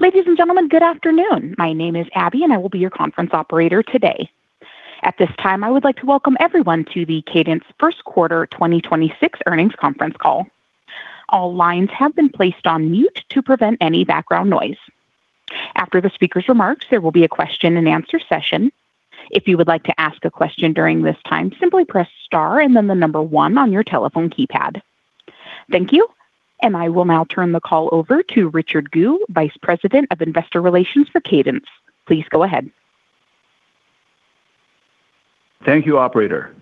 Ladies and gentlemen, good afternoon. My name is Abby, and I will be your conference operator today. At this time, I would like to welcome everyone to the Cadence first quarter 2026 earnings conference call. All lines have been placed on mute to prevent any background noise. After the speaker's remarks, there will be a question and answer session. If you would like to ask a question during this time, simply press star and then the number one on your telephone keypad. Thank you, and I will now turn the call over to Richard Gu, Vice President of Investor Relations for Cadence. Please go ahead. Thank you, operator.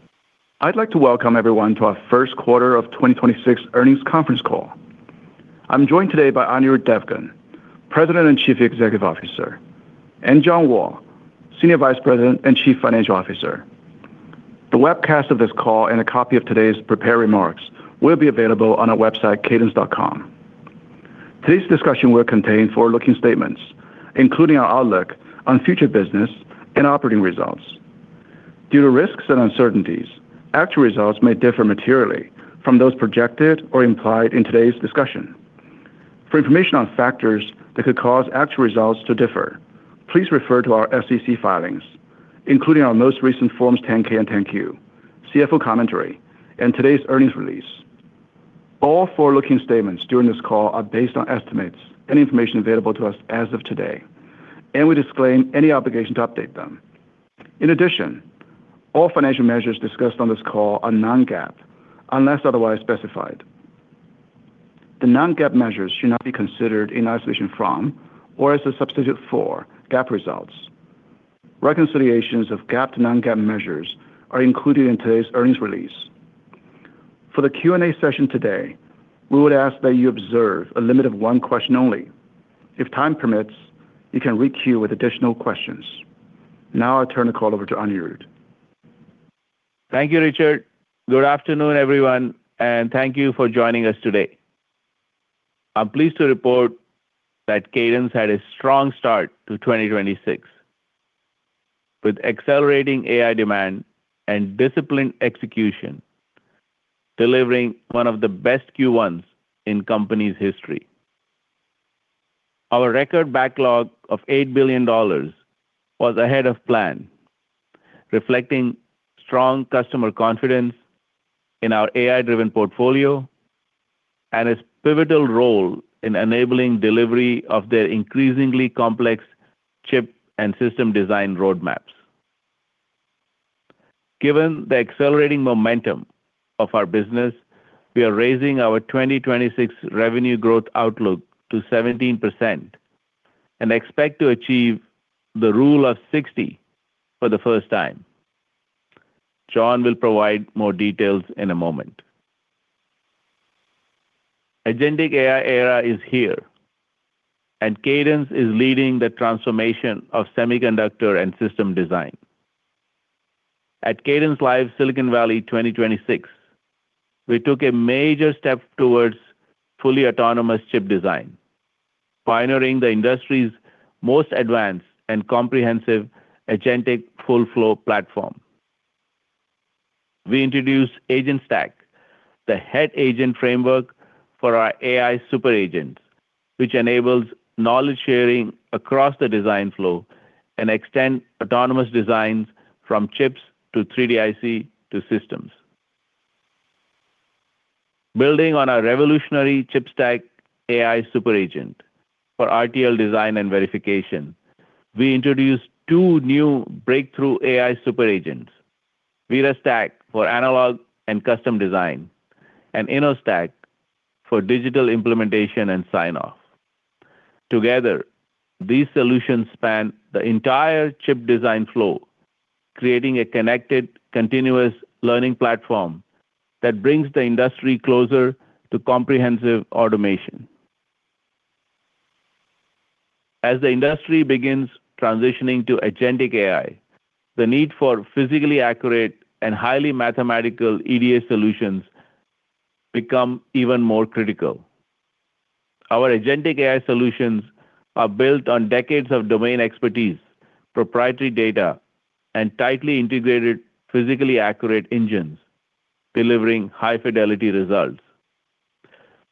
I'd like to welcome everyone to our first quarter of 2026 earnings conference call. I'm joined today by Anirudh Devgan, President and Chief Executive Officer, and John Wall, Senior Vice President and Chief Financial Officer. The webcast of this call and a copy of today's prepared remarks will be available on our website, cadence.com. Today's discussion will contain forward-looking statements, including our outlook on future business and operating results. Due to risks and uncertainties, actual results may differ materially from those projected or implied in today's discussion. For information on factors that could cause actual results to differ, please refer to our SEC filings, including our most recent Forms 10-K and 10-Q, CFO commentary, and today's earnings release. All forward-looking statements during this call are based on estimates and information available to us as of today, and we disclaim any obligation to update them. In addition, all financial measures discussed on this call are non-GAAP, unless otherwise specified. The non-GAAP measures should not be considered in isolation from or as a substitute for GAAP results. Reconciliations of GAAP to non-GAAP measures are included in today's earnings release. For the Q&A session today, we would ask that you observe a limit of one question only. If time permits, you can requeue with additional questions. Now I turn the call over to Anirudh. Thank you, Richard. Good afternoon, everyone, and thank you for joining us today. I'm pleased to report that Cadence had a strong start to 2026 with accelerating AI demand and disciplined execution, delivering one of the best Q1s in the company's history. Our record backlog of $8 billion was ahead of plan, reflecting strong customer confidence in our AI-driven portfolio and its pivotal role in enabling delivery of their increasingly complex chip and system design roadmaps. Given the accelerating momentum of our business, we are raising our 2026 revenue growth outlook to 17% and expect to achieve the Rule of 60 for the first time. John will provide more details in a moment. The agentic AI era is here, and Cadence is leading the transformation of semiconductor and system design. At CadenceLIVE Silicon Valley 2026, we took a major step towards fully autonomous chip design, pioneering the industry's most advanced and comprehensive agentic full-flow platform. We introduced AgentStack, the head agent framework for our AI super agents, which enables knowledge sharing across the design flow and extend autonomous designs from chips to 3D IC to systems. Building on our revolutionary ChipStack AI super agent for RTL design and verification, we introduced two new breakthrough AI super agents, ViraStack for analog and custom design and InnoStack for digital implementation and sign-off. Together, these solutions span the entire chip design flow, creating a connected, continuous learning platform that brings the industry closer to comprehensive automation. As the industry begins transitioning to agentic AI, the need for physically accurate and highly mathematical EDA solutions become even more critical. Our agentic AI solutions are built on decades of domain expertise, proprietary data, and tightly integrated physically accurate engines, delivering high-fidelity results.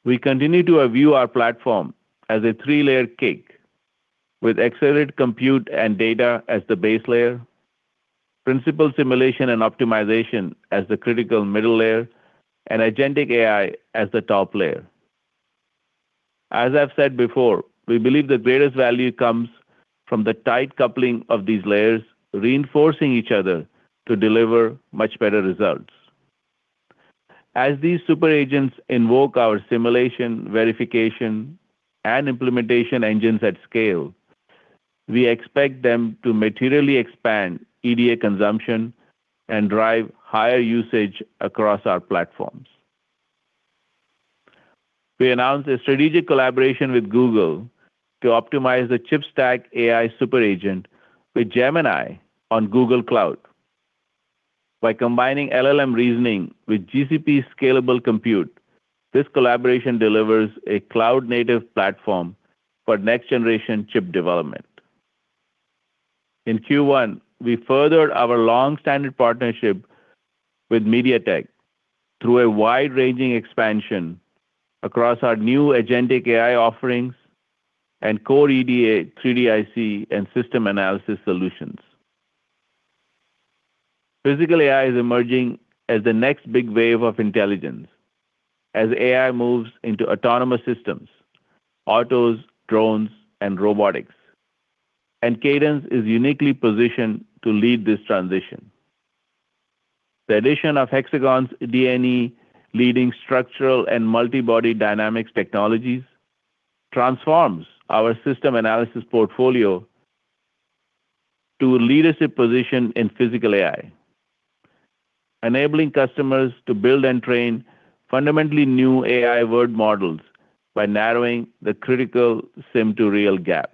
We continue to view our platform as a three-layer cake, with accelerated compute and data as the base layer, principal simulation and optimization as the critical middle layer, and agentic AI as the top layer. As I've said before, we believe the greatest value comes from the tight coupling of these layers, reinforcing each other to deliver much better results. As these super agents invoke our simulation, verification, and implementation engines at scale, we expect them to materially expand EDA consumption and drive higher usage across our platforms. We announced a strategic collaboration with Google to optimize the ChipStack AI super agent with Gemini on Google Cloud. By combining LLM reasoning with GCP scalable compute, this collaboration delivers a cloud-native platform for next-generation chip development. In Q1, we furthered our long-standing partnership with MediaTek through a wide-ranging expansion across our new agentic AI offerings and core EDA, 3D IC, and system analysis solutions. Physical AI is emerging as the next big wave of intelligence as AI moves into autonomous systems, autos, drones, and robotics. Cadence is uniquely positioned to lead this transition. The addition of Hexagon's D&E leading structural and multi-body dynamics technologies transforms our system analysis portfolio to a leadership position in physical AI, enabling customers to build and train fundamentally new AI world models by narrowing the critical sim to real gap.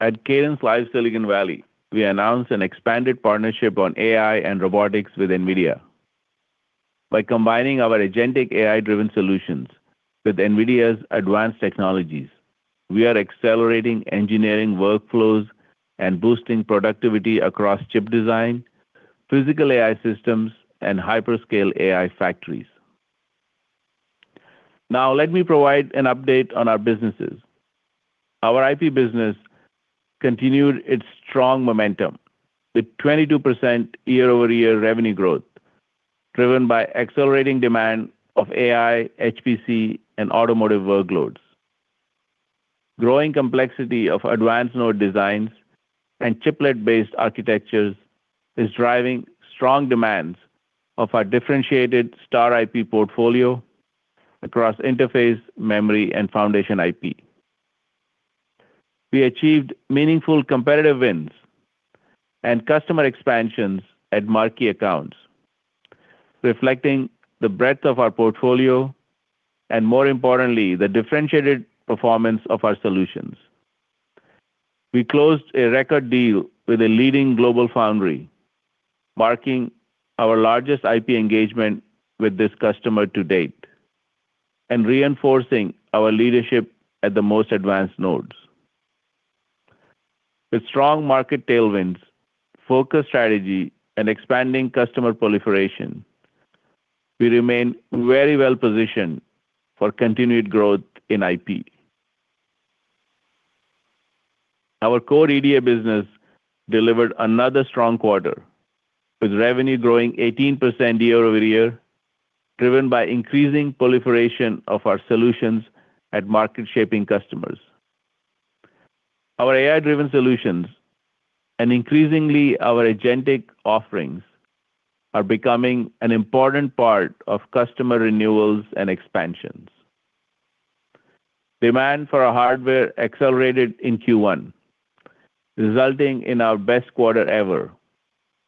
At CadenceLIVE Silicon Valley, we announced an expanded partnership on AI and robotics with Nvidia. By combining our agentic AI-driven solutions with Nvidia's advanced technologies, we are accelerating engineering workflows and boosting productivity across chip design, physical AI systems, and hyperscale AI factories. Now, let me provide an update on our businesses. Our IP business continued its strong momentum with 22% year-over-year revenue growth, driven by accelerating demand of AI, HPC, and automotive workloads. Growing complexity of advanced node designs and chiplet-based architectures is driving strong demands of our differentiated Star IP portfolio across interface, memory, and foundation IP. We achieved meaningful competitive wins and customer expansions at marquee accounts, reflecting the breadth of our portfolio and, more importantly, the differentiated performance of our solutions. We closed a record deal with a leading global foundry, marking our largest IP engagement with this customer to date and reinforcing our leadership at the most advanced nodes. With strong market tailwinds, focused strategy, and expanding customer proliferation, we remain very well positioned for continued growth in IP. Our core EDA business delivered another strong quarter, with revenue growing 18% year-over-year, driven by increasing proliferation of our solutions at market-shaping customers. Our AI-driven solutions and increasingly our agentic offerings are becoming an important part of customer renewals and expansions. Demand for our hardware accelerated in Q1, resulting in our best quarter ever,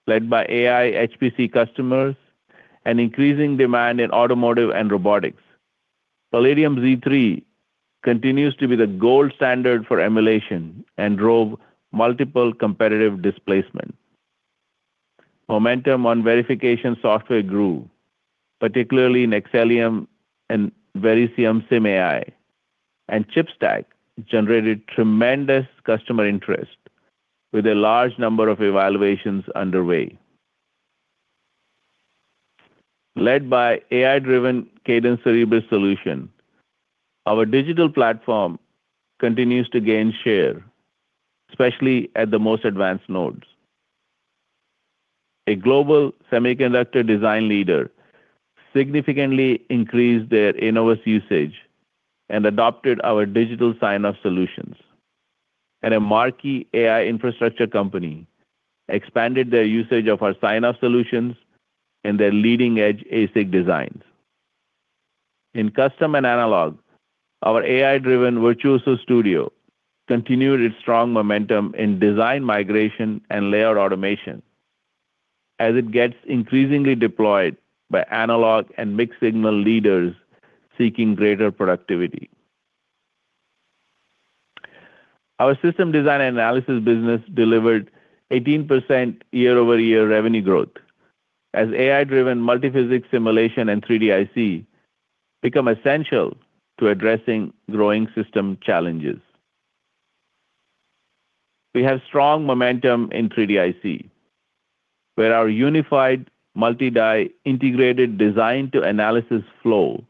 led by AI HPC customers and increasing demand in automotive and robotics. Palladium Z3 continues to be the gold standard for emulation and drove multiple competitive displacement. Momentum on verification software grew, particularly in Xcelium and Verisium SimAI, and ChipStack generated tremendous customer interest with a large number of evaluations underway. Led by AI-driven Cadence Cerebrus solution, our digital platform continues to gain share, especially at the most advanced nodes. A global semiconductor design leader significantly increased their Innovus usage and adopted our digital sign-off solutions. A marquee AI infrastructure company expanded their usage of our sign-off solutions in their leading-edge ASIC designs. In custom and analog, our AI-driven Virtuoso Studio continued its strong momentum in design migration and layout automation as it gets increasingly deployed by analog and mixed-signal leaders seeking greater productivity. Our system design and analysis business delivered 18% year-over-year revenue growth as AI-driven multiphysics simulation and 3D IC become essential to addressing growing system challenges. We have strong momentum in 3D IC, where our unified multi-die integrated design to analysis flow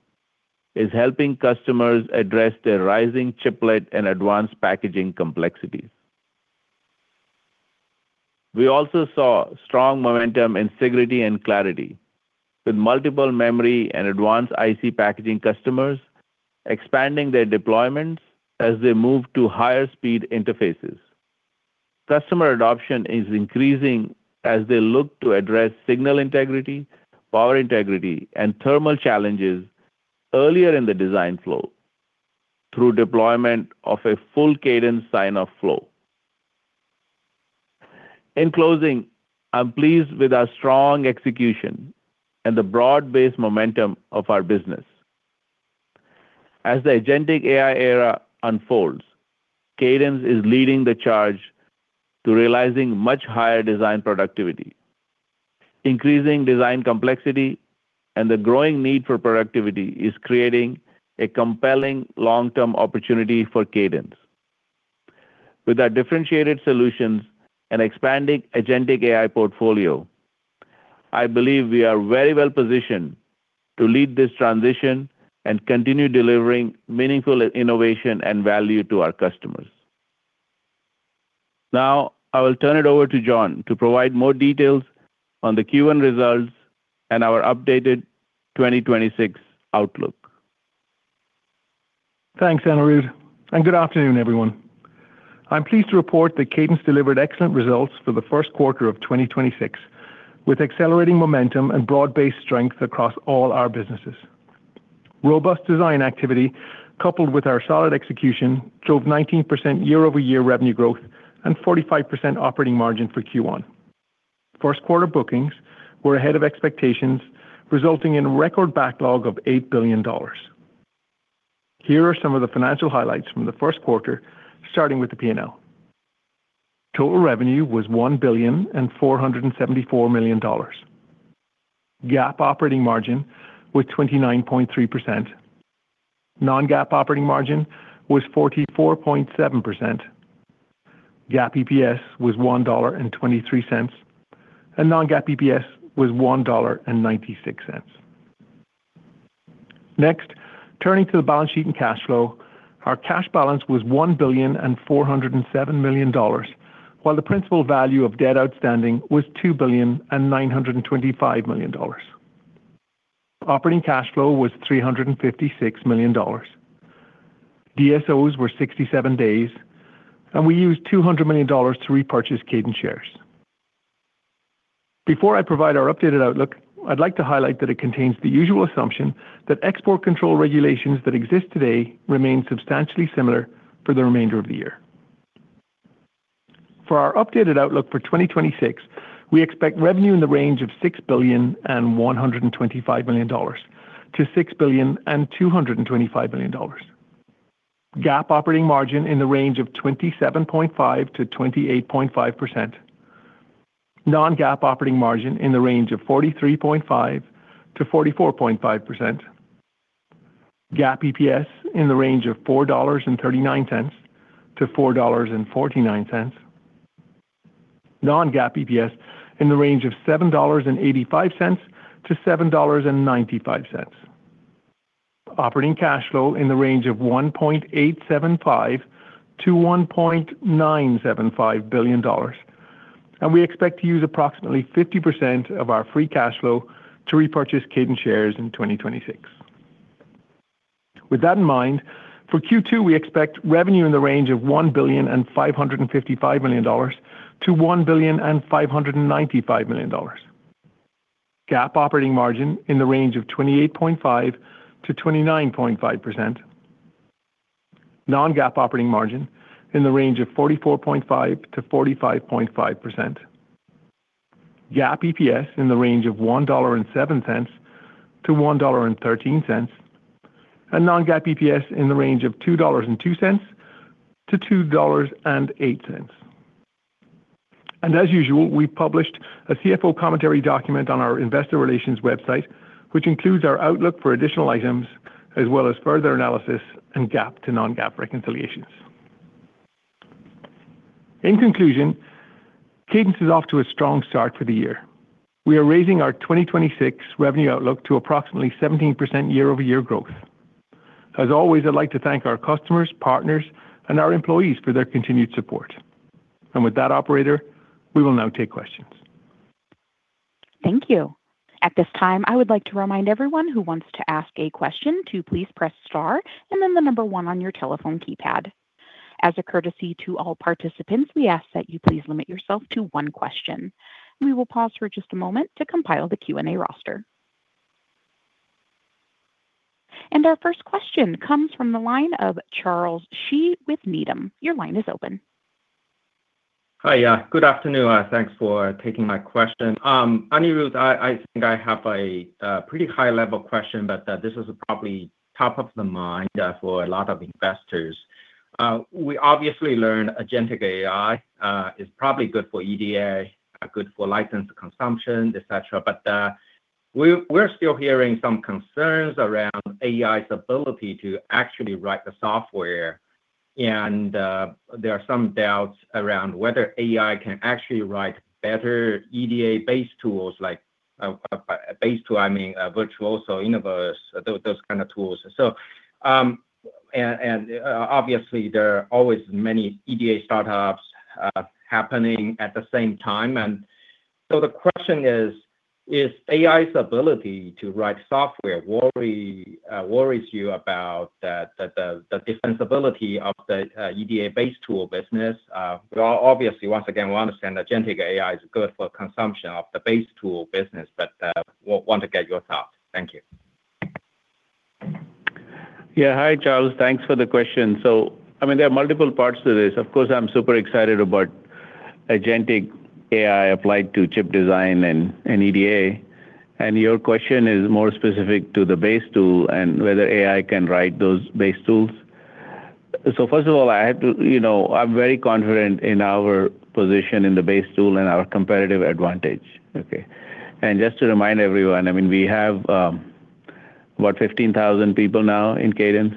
is helping customers address their rising chiplet and advanced packaging complexities. We also saw strong momentum in Integrity and Clarity, with multiple memory and advanced IC packaging customers expanding their deployments as they move to higher speed interfaces. Customer adoption is increasing as they look to address signal integrity, power integrity, and thermal challenges earlier in the design flow through deployment of a full Cadence sign-off flow. In closing, I'm pleased with our strong execution and the broad-based momentum of our business. As the agentic AI era unfolds, Cadence is leading the charge to realizing much higher design productivity. Increasing design complexity and the growing need for productivity is creating a compelling long-term opportunity for Cadence. With our differentiated solutions and expanding agentic AI portfolio, I believe we are very well positioned to lead this transition and continue delivering meaningful innovation and value to our customers. Now, I will turn it over to John to provide more details on the Q1 results and our updated 2026 outlook. Thanks, Anirudh, and good afternoon, everyone. I'm pleased to report that Cadence delivered excellent results for the first quarter of 2026, with accelerating momentum and broad-based strength across all our businesses. Robust design activity coupled with our solid execution drove 19% year-over-year revenue growth and 45% operating margin for Q1. First quarter bookings were ahead of expectations, resulting in a record backlog of $8 billion. Here are some of the financial highlights from the first quarter, starting with the P&L. Total revenue was $1.474 billion. GAAP operating margin was 29.3%. Non-GAAP operating margin was 44.7%. GAAP EPS was $1.23, and non-GAAP EPS was $1.96. Next, turning to the balance sheet and cash flow. Our cash balance was $1.407 billion, while the principal value of debt outstanding was $2.925 billion. Operating cash flow was $356 million. DSOs were 67 days, and we used $200 million to repurchase Cadence shares. Before I provide our updated outlook, I'd like to highlight that it contains the usual assumption that export control regulations that exist today remain substantially similar for the remainder of the year. For our updated outlook for 2026, we expect revenue in the range of $6.125 billion-$6.225 billion. GAAP operating margin in the range of 27.5%-28.5%. Non-GAAP operating margin in the range of 43.5%-44.5%. GAAP EPS in the range of $4.39-$4.49. Non-GAAP EPS in the range of $7.85-$7.95. Operating cash flow in the range of $1.875 billion-$1.975 billion, and we expect to use approximately 50% of our free cash flow to repurchase Cadence shares in 2026. With that in mind, for Q2, we expect revenue in the range of $1.555 billion-$1.595 billion. GAAP operating margin in the range of 28.5%-29.5%. Non-GAAP operating margin in the range of 44.5%-45.5%. GAAP EPS in the range of $1.07-$1.13. Non-GAAP EPS in the range of $2.02-$2.08. As usual, we published a CFO commentary document on our investor relations website, which includes our outlook for additional items as well as further analysis in GAAP to non-GAAP reconciliations. In conclusion, Cadence is off to a strong start for the year. We are raising our 2026 revenue outlook to approximately 17% year-over-year growth. As always, I'd like to thank our customers, partners, and our employees for their continued support. With that, operator, we will now take questions. Thank you. At this time, I would like to remind everyone who wants to ask a question to please press star and then the number one on your telephone keypad. As a courtesy to all participants, we ask that you please limit yourself to one question. We will pause for just a moment to compile the Q&A roster. Our first question comes from the line of Charles Shi with Needham. Your line is open. Hi. Good afternoon. Thanks for taking my question. Anirudh, I think I have a pretty high-level question, but this is probably top of the mind for a lot of investors. We obviously learned agentic AI is probably good for EDA, good for license consumption, et cetera. But we're still hearing some concerns around AI's ability to actually write the software, and there are some doubts around whether AI can actually write better EDA base tools like base tool, I mean, Virtuoso, Innovus, those kind of tools. Obviously, there are always many EDA startups happening at the same time, and so the question is. Is AI's ability to write software worries you about the defensibility of the EDA base tool business? Obviously, once again, we understand that agentic AI is good for consumption of the base tool business, but want to get your thoughts. Thank you. Yeah. Hi, Charles. Thanks for the question. I mean, there are multiple parts to this. Of course, I'm super excited about agentic AI applied to chip design and EDA. Your question is more specific to the base tool and whether AI can write those base tools. First of all, I have to, you know, I'm very confident in our position in the base tool and our competitive advantage. Okay? Just to remind everyone, I mean, we have 15,000 people now in Cadence,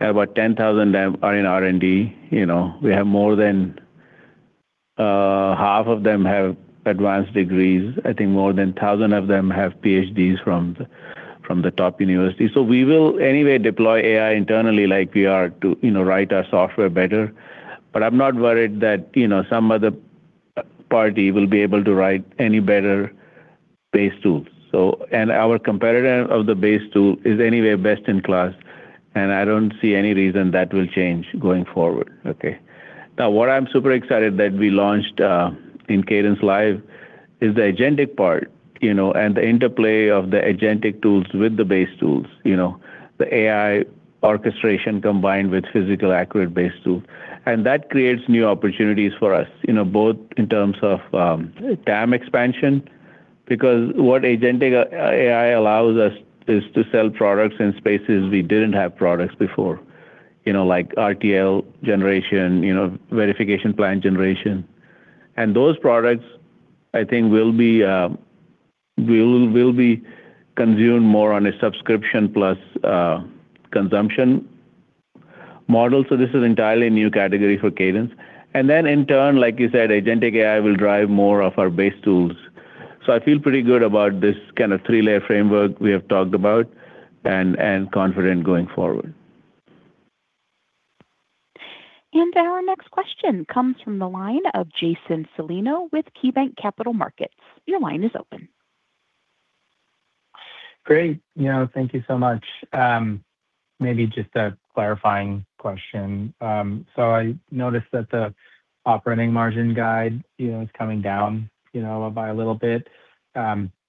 about 10,000 of them are in R&D. You know, we have more than half of them have advanced degrees. I think more than 1,000 of them have PhDs from the top universities. We will anyway deploy AI internally like we are to, you know, write our software better. I'm not worried that, you know, some other party will be able to write any better base tools. Our competitor of the base tool is anyway best in class, and I don't see any reason that will change going forward. Okay. Now, what I'm super excited that we launched in CadenceLIVE is the agentic part, you know, and the interplay of the agentic tools with the base tools. You know, the AI orchestration combined with physically accurate base tools. That creates new opportunities for us, you know, both in terms of TAM expansion, because what agentic AI allows us is to sell products in spaces we didn't have products before, you know, like RTL generation, you know, verification plan generation. Those products, I think, will be consumed more on a subscription plus consumption model. This is entirely a new category for Cadence. Then in turn, like you said, agentic AI will drive more of our base tools. I feel pretty good about this kind of three-layer framework we have talked about and confident going forward. Our next question comes from the line of Jason Celino with KeyBanc Capital Markets. Your line is open. Great. You know, thank you so much. Maybe just a clarifying question. So I noticed that the operating margin guide, you know, it's coming down, you know, by a little bit.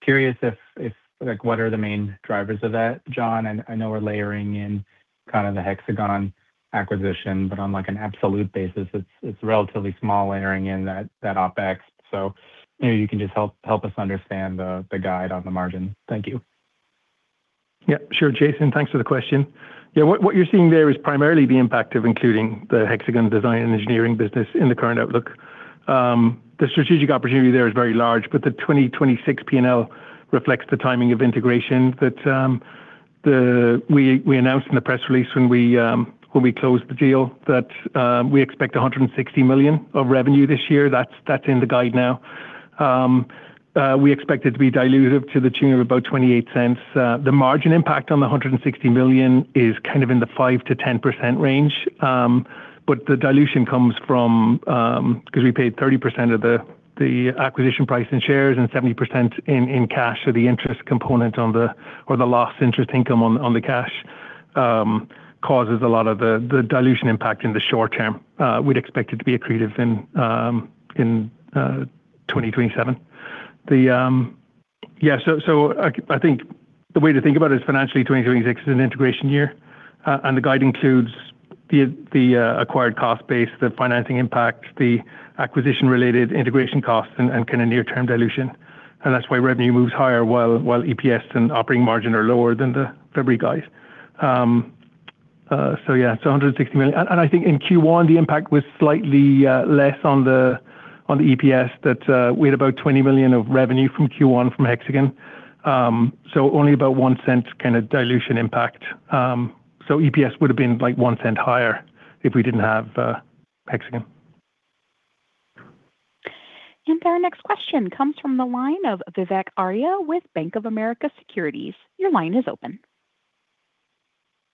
Curious if, like what are the main drivers of that, John? I know we're layering in kind of the Hexagon acquisition, but on like an absolute basis, it's relatively small layering in that OpEx. You know, you can just help us understand the guide on the margin. Thank you. Yep. Sure, Jason. Thanks for the question. Yeah. What you're seeing there is primarily the impact of including the Hexagon Design and Engineering business in the current outlook. The strategic opportunity there is very large, but the 2026 P&L reflects the timing of integration. We announced in the press release when we closed the deal that we expect $160 million of revenue this year. That's in the guide now. We expect it to be dilutive to the tune of about $0.28. The margin impact on the $160 million is kind of in the 5%-10% range. But the dilution comes from because we paid 30% of the acquisition price in shares and 70% in cash. The lost interest income on the cash causes a lot of the dilution impact in the short term. We'd expect it to be accretive in 2027. I think the way to think about it is financially, 2026 is an integration year. The guide includes the acquired cost base, the financing impact, the acquisition-related integration costs and kind of near-term dilution. That's why revenue moves higher while EPS and operating margin are lower than the February guide. It's $160 million. I think in Q1, the impact was slightly less on the EPS. That we had about $20 million of revenue from Q1 from Hexagon. Only about $0.01 kind of dilution impact. EPS would have been like $0.01 higher if we didn't have Hexagon. Our next question comes from the line of Vivek Arya with Bank of America Securities. Your line is open.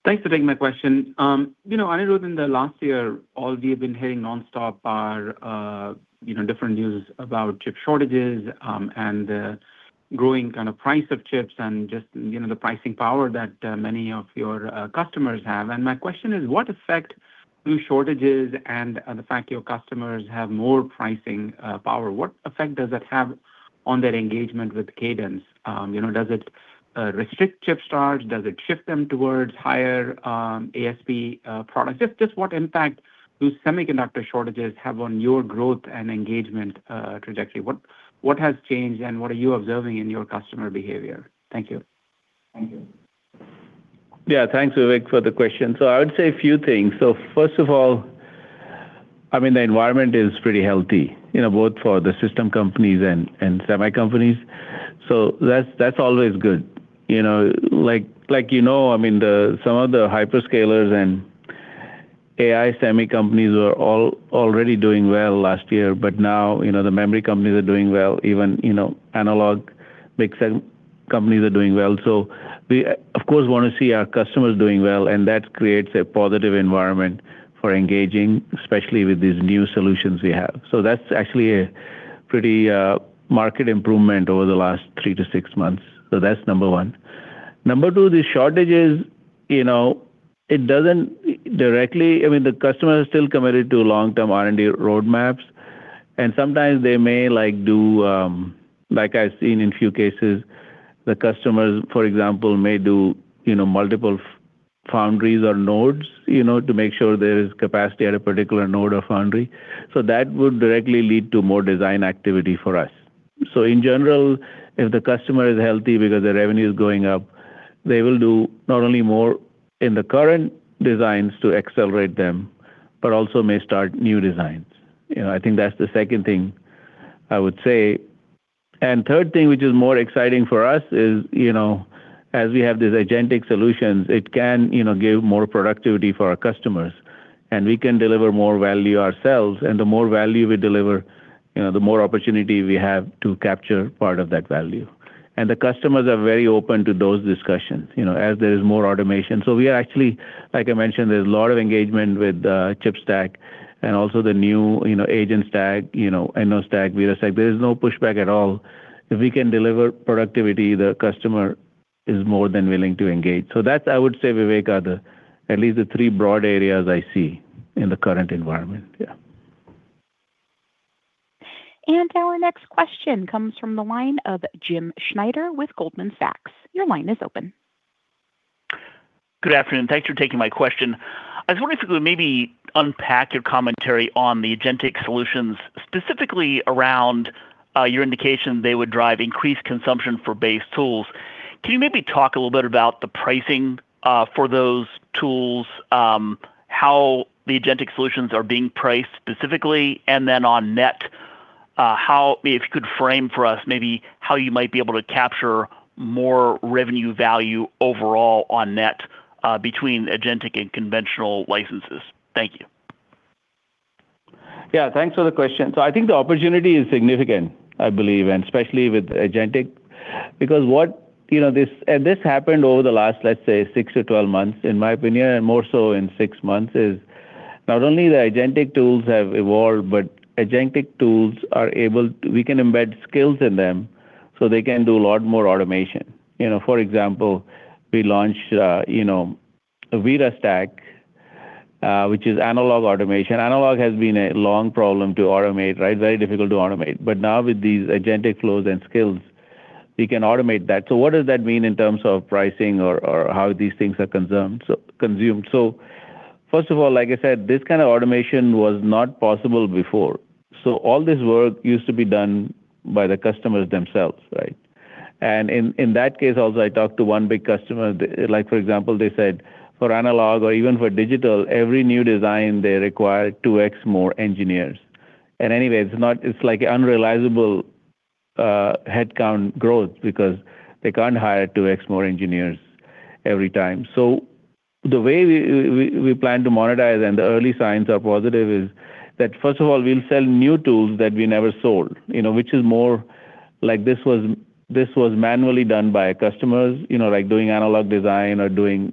Thanks for taking my question. You know, Anirudh, in the last year, all we've been hearing nonstop are, you know, different news about chip shortages, and growing kind of price of chips and just, you know, the pricing power that many of your customers have. My question is, what effect do shortages and the fact your customers have more pricing power, what effect does that have on their engagement with Cadence? You know, does it restrict chip starts? Does it shift them towards higher ASP products? Just what impact do semiconductor shortages have on your growth and engagement trajectory? What has changed, and what are you observing in your customer behavior? Thank you. Yeah. Thanks, Vivek, for the question. I would say a few things. First of all, I mean, the environment is pretty healthy, you know, both for the system companies and semi companies. That's always good. You know, like, you know, I mean, some of the hyperscalers and AI semi companies were all already doing well last year, but now, you know, the memory companies are doing well, even, you know, analog mixed-signal companies are doing well. We of course want to see our customers doing well, and that creates a positive environment for engaging, especially with these new solutions we have. That's actually a pretty market improvement over the last three to six months. That's number one. Number two, the shortages, you know, it doesn't directly. I mean, the customer is still committed to long-term R&D roadmaps, and sometimes they may like do, like I've seen in a few cases, the customers, for example, may do, you know, multiple foundries or nodes, you know, to make sure there is capacity at a particular node or foundry. So that would directly lead to more design activity for us. So in general, if the customer is healthy because the revenue is going up. They will do not only more in the current designs to accelerate them, but also may start new designs. You know, I think that's the second thing I would say. Third thing, which is more exciting for us, is, you know, as we have these agentic solutions, it can, you know, give more productivity for our customers, and we can deliver more value ourselves. The more value we deliver, you know, the more opportunity we have to capture part of that value. The customers are very open to those discussions, you know, as there is more automation. We are actually, like I mentioned, there's a lot of engagement with ChipStack and also the new, you know, AgentStack, you know, InnoStack, data stack. There is no pushback at all. If we can deliver productivity, the customer is more than willing to engage. That's, I would say, Vivek, are the, at least the three broad areas I see in the current environment. Yeah. Our next question comes from the line of Jim Schneider with Goldman Sachs. Your line is open. Good afternoon. Thanks for taking my question. I was wondering if you could maybe unpack your commentary on the agentic solutions, specifically around your indication they would drive increased consumption for base tools. Can you maybe talk a little bit about the pricing for those tools, how the agentic solutions are being priced specifically, and then on net, if you could frame for us maybe how you might be able to capture more revenue value overall on net, between agentic and conventional licenses. Thank you. Yeah, thanks for the question. I think the opportunity is significant, I believe, and especially with agentic, because this happened over the last, let's say, six to 12 months, in my opinion, and more so in six months. Not only the agentic tools have evolved, but agentic tools are able, we can embed skills in them so they can do a lot more automation. You know, for example, we launched, you know, Aveda Stack, which is analog automation. Analog has been a long problem to automate, right? Very difficult to automate. But now with these agentic flows and skills, we can automate that. What does that mean in terms of pricing or how these things are consumed? First of all, like I said, this kind of automation was not possible before. All this work used to be done by the customers themselves, right? In that case, also, I talked to one big customer, like, for example, they said for analog or even for digital, every new design, they require 2x more engineers. Anyway, it's like unrealizable headcount growth because they can't hire 2x more engineers every time. The way we plan to monetize and the early signs are positive is that, first of all, we'll sell new tools that we never sold, you know, which is more like this was manually done by customers, you know, like doing analog design or doing,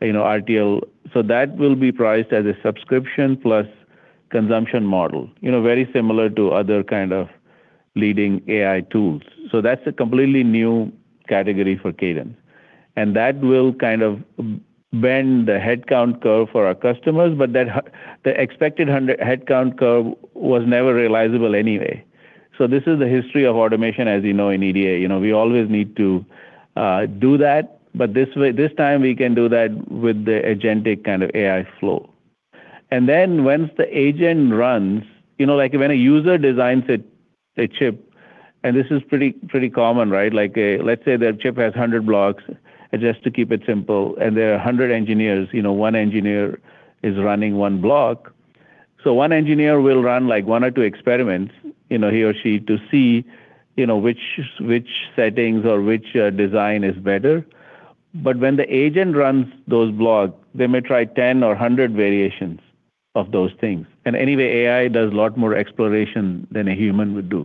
you know, RTL. That will be priced as a subscription plus consumption model, you know, very similar to other kind of leading AI tools. That's a completely new category for Cadence, and that will kind of bend the headcount curve for our customers. The expected headcount curve was never realizable anyway. This is the history of automation, as you know, in EDA. You know, we always need to do that, but this time we can do that with the agentic kind of AI flow. Then once the agent runs, you know, like when a user designs a chip, and this is pretty common, right? Like, let's say their chip has 100 blocks just to keep it simple, and there are 100 engineers. You know, one engineer is running one block. One engineer will run like one or two experiments, you know, he or she to see, you know, which settings or which design is better. When the agent runs those blocks, they may try 10 or 100 variations of those things. Anyway, AI does a lot more exploration than a human would do.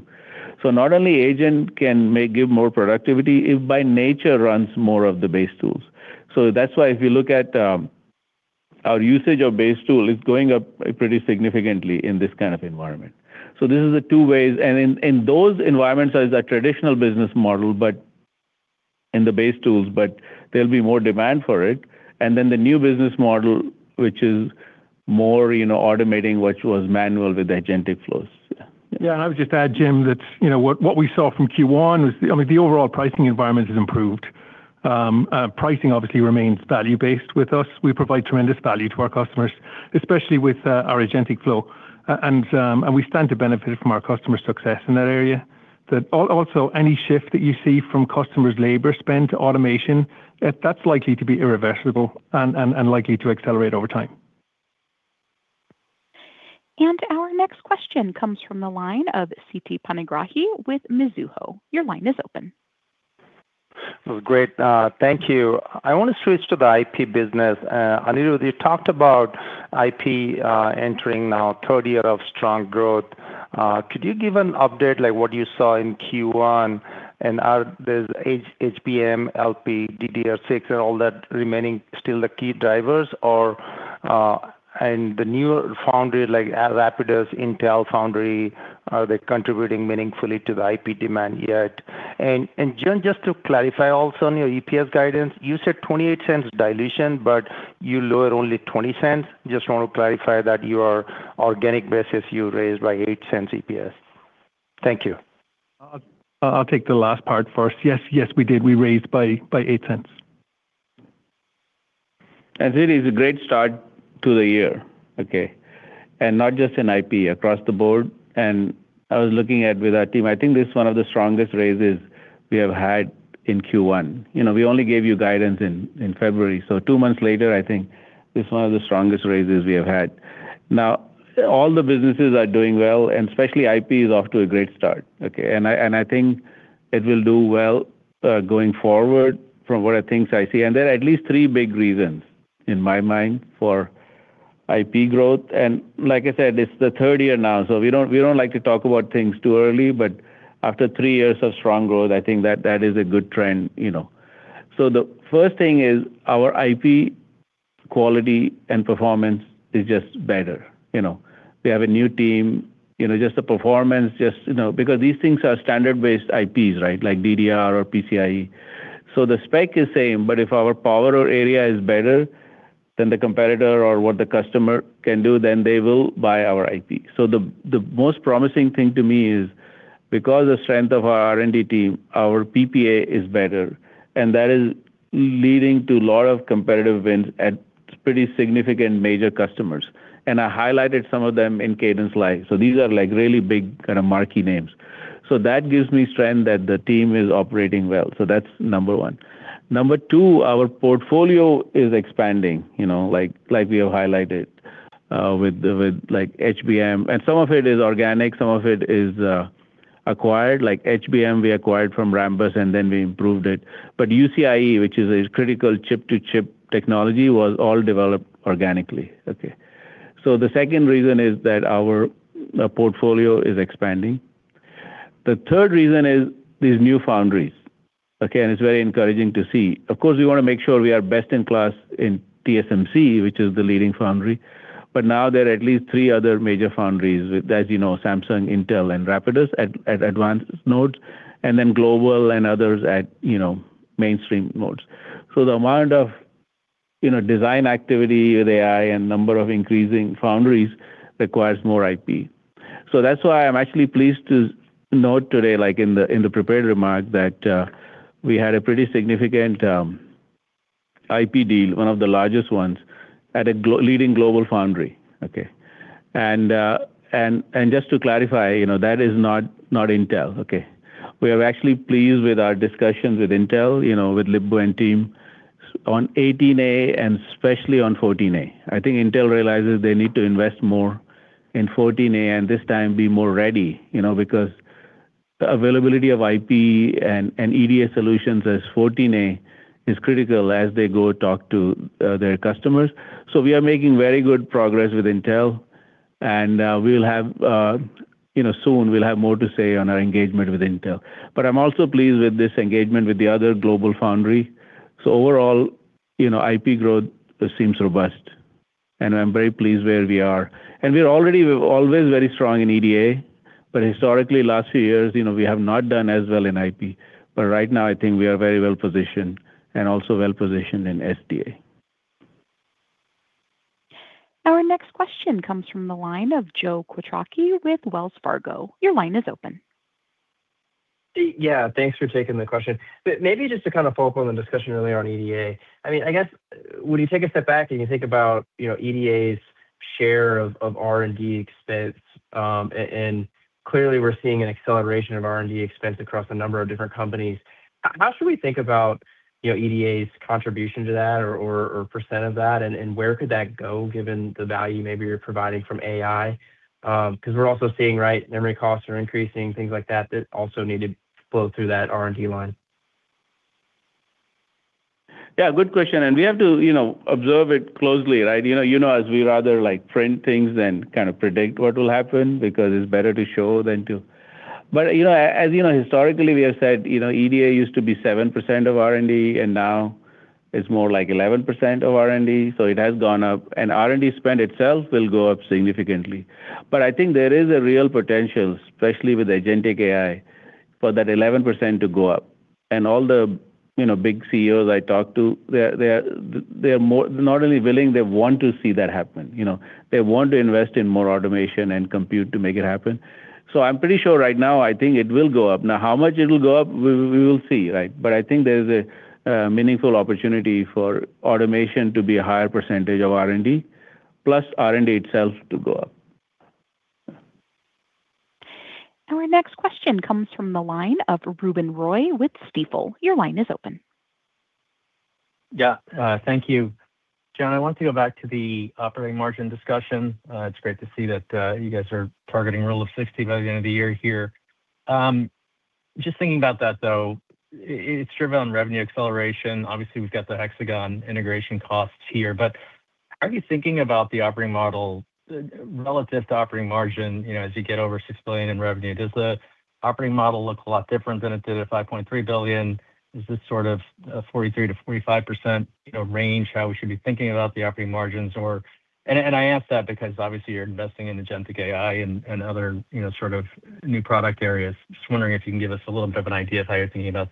Not only agent can give more productivity, it by nature runs more of the base tools. That's why if you look at our usage of base tool, it's going up pretty significantly in this kind of environment. This is the two ways. In those environments, there's a traditional business model, but in the base tools, but there'll be more demand for it. Then the new business model, which is more, you know, automating what was manual with agentic flows. Yeah, I would just add, Jim, that you know what we saw from Q1 was, I mean, the overall pricing environment has improved. Pricing obviously remains value-based with us. We provide tremendous value to our customers, especially with our agentic flow, and we stand to benefit from our customers' success in that area. That also, any shift that you see from customers' labor spend to automation, that's likely to be irreversible and likely to accelerate over time. Our next question comes from the line of Siti Panigrahi with Mizuho. Your line is open. Great. Thank you. I wanna switch to the IP business. Anirudh, you talked about IP, entering now third year of strong growth. Could you give an update like what you saw in Q1, and are those HBM, LPDDR, DDR6 and all that remaining still the key drivers or, and the newer foundry like, Rapidus, Intel Foundry, are they contributing meaningfully to the IP demand yet? And John, just to clarify also on your EPS guidance, you said $0.28 dilution, but you lowered only $0.20. Just want to clarify that your organic basis you raised by $0.08 EPS. Thank you. I'll take the last part first. Yes. Yes, we did. We raised by $0.08. Really it's a great start to the year, okay? Not just in IP, across the board. I was looking at with our team, I think this is one of the strongest raises we have had in Q1. You know, we only gave you guidance in February. Two months later, I think this is one of the strongest raises we have had. Now, all the businesses are doing well, and especially IP is off to a great start, okay? I think it will do well, going forward from what I think I see. There are at least three big reasons in my mind for IP growth. Like I said, it's the third year now, so we don't like to talk about things too early. After three years of strong growth, I think that is a good trend. You know, the first thing is our IP quality and performance is just better. You know, we have a new team, you know, the performance, you know, because these things are standard-based IPs, right? Like DDR or PCIe. The most promising thing to me is because the strength of our R&D team, our PPA is better, and that is leading to a lot of competitive wins at pretty significant major customers. I highlighted some of them in CadenceLIVE. These are like really big kind of marquee names. That gives me strength that the team is operating well. That's number one. Number two, our portfolio is expanding. You know, like we have highlighted with HBM. Some of it is organic, some of it is acquired. Like HBM, we acquired from Rambus, and then we improved it. UCIe, which is a critical chip-to-chip technology, was all developed organically, okay? The second reason is that our portfolio is expanding. The third reason is these new foundries, okay? It's very encouraging to see. Of course, we want to make sure we are best in class in TSMC, which is the leading foundry, but now there are at least three other major foundries with, as you know, Samsung, Intel, and Rapidus at advanced nodes, and then Global and others at you know, mainstream nodes. The amount of, you know, design activity with AI and number of increasing foundries requires more IP. That's why I'm actually pleased to note today, like in the prepared remarks, that we had a pretty significant IP deal, one of the largest ones at a leading global foundry, okay? And just to clarify, you know, that is not Intel, okay? We are actually pleased with our discussions with Intel, you know, with Lip-Bu and team on 18A and especially on 14A. I think Intel realizes they need to invest more in 14A and this time be more ready, you know, because availability of IP and EDA solutions as 14A is critical as they go talk to their customers. We are making very good progress with Intel, and we'll have, you know, soon we'll have more to say on our engagement with Intel. I'm also pleased with this engagement with the other global foundry. Overall, you know, IP growth seems robust, and I'm very pleased where we are. We're already, we're always very strong in EDA, but historically, last few years, you know, we have not done as well in IP. Right now I think we are very well positioned and also well positioned in SDA. Our next question comes from the line of Joe Quatrochi with Wells Fargo. Your line is open. Yeah, thanks for taking the question. Maybe just to kind of follow up on the discussion earlier on EDA. I mean, I guess when you take a step back and you think about, you know, EDA's share of R&D expense, and clearly we're seeing an acceleration of R&D expense across a number of different companies. How should we think about, you know, EDA's contribution to that or percent of that? Where could that go given the value maybe you're providing from AI? 'Cause we're also seeing, right, memory costs are increasing, things like that also need to flow through that R&D line. Yeah, good question. We have to, you know, observe it closely, right? You know, as we rather like print things than kind of predict what will happen because it's better to show than to. As you know, historically, we have said, you know, EDA used to be 7% of R&D, and now it's more like 11% of R&D, so it has gone up. R&D spend itself will go up significantly. I think there is a real potential, especially with agentic AI, for that 11% to go up. All the, you know, big CEOs I talk to, they're more, not only willing, they want to see that happen. You know, they want to invest in more automation and compute to make it happen. I'm pretty sure right now I think it will go up. Now, how much it'll go up, we will see, right? I think there's a meaningful opportunity for automation to be a higher percentage of R&D, plus R&D itself to go up. Our next question comes from the line of Ruben Roy with Stifel. Your line is open. Yeah, thank you. John, I want to go back to the operating margin discussion. It's great to see that you guys are targeting Rule of 60 by the end of the year here. Just thinking about that though, it's driven on revenue acceleration. Obviously, we've got the Hexagon integration costs here. But how are you thinking about the operating model relative to operating margin, you know, as you get over $6 billion in revenue? Does the operating model look a lot different than it did at $5.3 billion? Is this sort of a 43%-45%, you know, range how we should be thinking about the operating margins? I ask that because obviously you're investing in agentic AI and other, you know, sort of new product areas. Just wondering if you can give us a little bit of an idea of how you're thinking about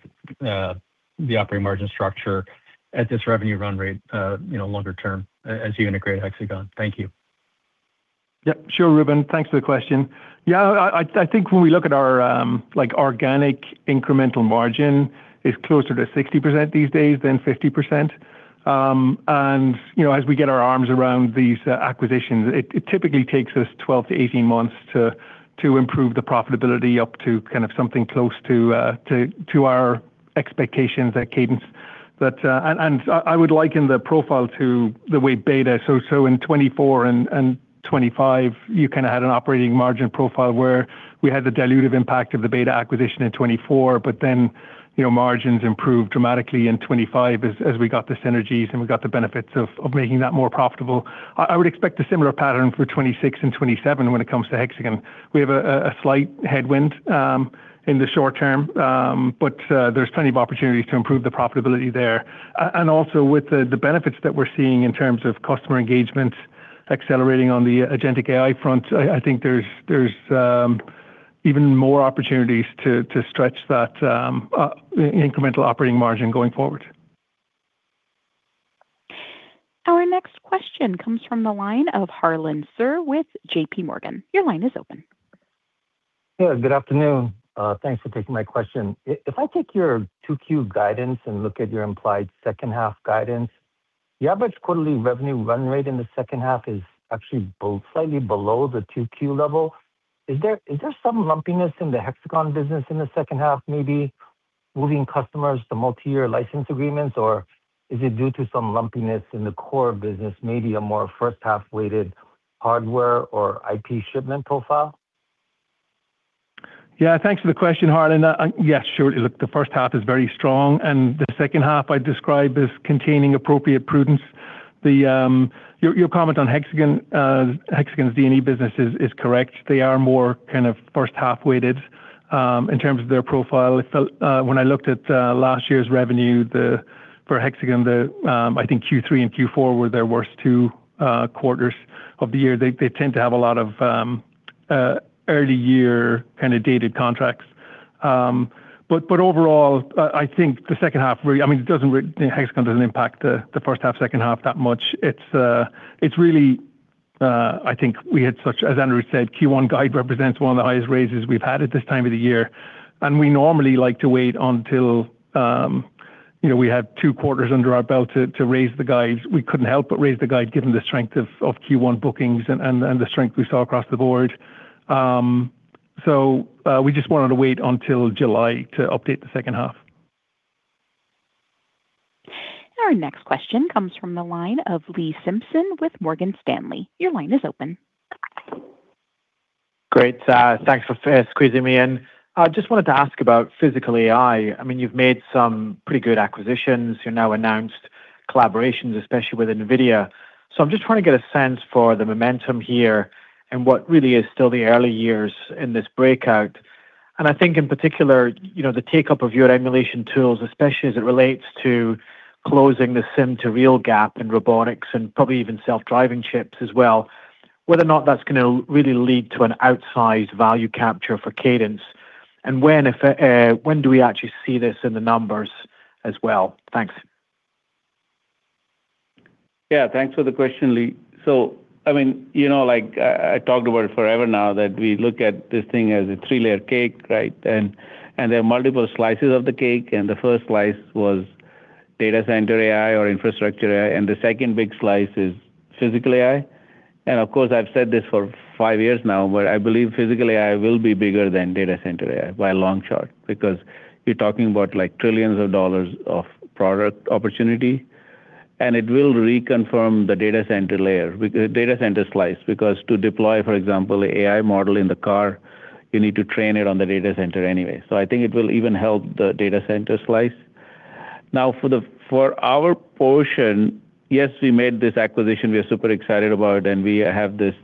the operating margin structure at this revenue run rate, you know, longer term as you integrate Hexagon. Thank you. Yep, sure Ruben. Thanks for the question. Yeah, I think when we look at our like organic incremental margin is closer to 60% these days than 50%. You know, as we get our arms around these acquisitions, it typically takes us 12-18 months to improve the profitability up to kind of something close to our expectations at Cadence. I would liken the profile to the way Beta. In 2024 and 2025, you kinda had an operating margin profile where we had the dilutive impact of the Beta acquisition in 2024, but then, you know, margins improved dramatically in 2025 as we got the synergies and we got the benefits of making that more profitable. I would expect a similar pattern for 2026 and 2027 when it comes to Hexagon. We have a slight headwind in the short term, but there's plenty of opportunities to improve the profitability there. With the benefits that we're seeing in terms of customer engagement accelerating on the agentic AI front, I think there's even more opportunities to stretch that incremental operating margin going forward. Our next question comes from the line of Harlan Sur with JPMorgan. Your line is open. Yeah, good afternoon. Thanks for taking my question. If I take your 2Q guidance and look at your implied second half guidance, the average quarterly revenue run rate in the second half is actually both slightly below the 2Q level. Is there some lumpiness in the Hexagon business in the second half, maybe moving customers to multi-year license agreements? Or is it due to some lumpiness in the core business, maybe a more first half-weighted hardware or IP shipment profile? Yeah, thanks for the question, Harlan. Yes, sure. Look, the first half is very strong, and the second half I describe as containing appropriate prudence. Your comment on Hexagon's D&E business is correct. They are more kind of first half-weighted in terms of their profile. When I looked at last year's revenue for Hexagon, I think Q3 and Q4 were their worst two quarters of the year. They tend to have a lot of early year kinda dated contracts. But overall, I think the second half really, I mean, Hexagon doesn't impact the first half, second half that much. It's really, I think we had such, as Anirudh said, Q1 guide represents one of the highest raises we've had at this time of the year, and we normally like to wait until, you know, we have two quarters under our belt to raise the guides. We couldn't help but raise the guide given the strength of Q1 bookings and the strength we saw across the board. We just wanted to wait until July to update the second half. Our next question comes from the line of Lee Simpson with Morgan Stanley. Your line is open. Great. Thanks for squeezing me in. I just wanted to ask about physical AI. I mean, you've made some pretty good acquisitions. You've now announced collaborations, especially with Nvidia. I'm just trying to get a sense for the momentum here and what really is still the early years in this breakout. I think in particular, you know, the take-up of your emulation tools, especially as it relates to closing the sim to real gap in robotics and probably even self-driving chips as well, whether or not that's gonna really lead to an outsized value capture for Cadence and when do we actually see this in the numbers as well? Thanks. Yeah, thanks for the question, Lee. I mean, you know, like I talked about it forever now that we look at this thing as a three-layer cake, right? There are multiple slices of the cake, and the first slice was data center AI or infrastructure AI, and the second big slice is physical AI. Of course, I've said this for five years now, but I believe physical AI will be bigger than data center AI by a long shot because you're talking about like trillions of dollars of product opportunity, and it will reconfirm the data center layer, the data center slice. Because to deploy, for example, AI model in the car, you need to train it on the data center anyway. I think it will even help the data center slice. Now for our portion, yes, we made this acquisition we are super excited about, and we have this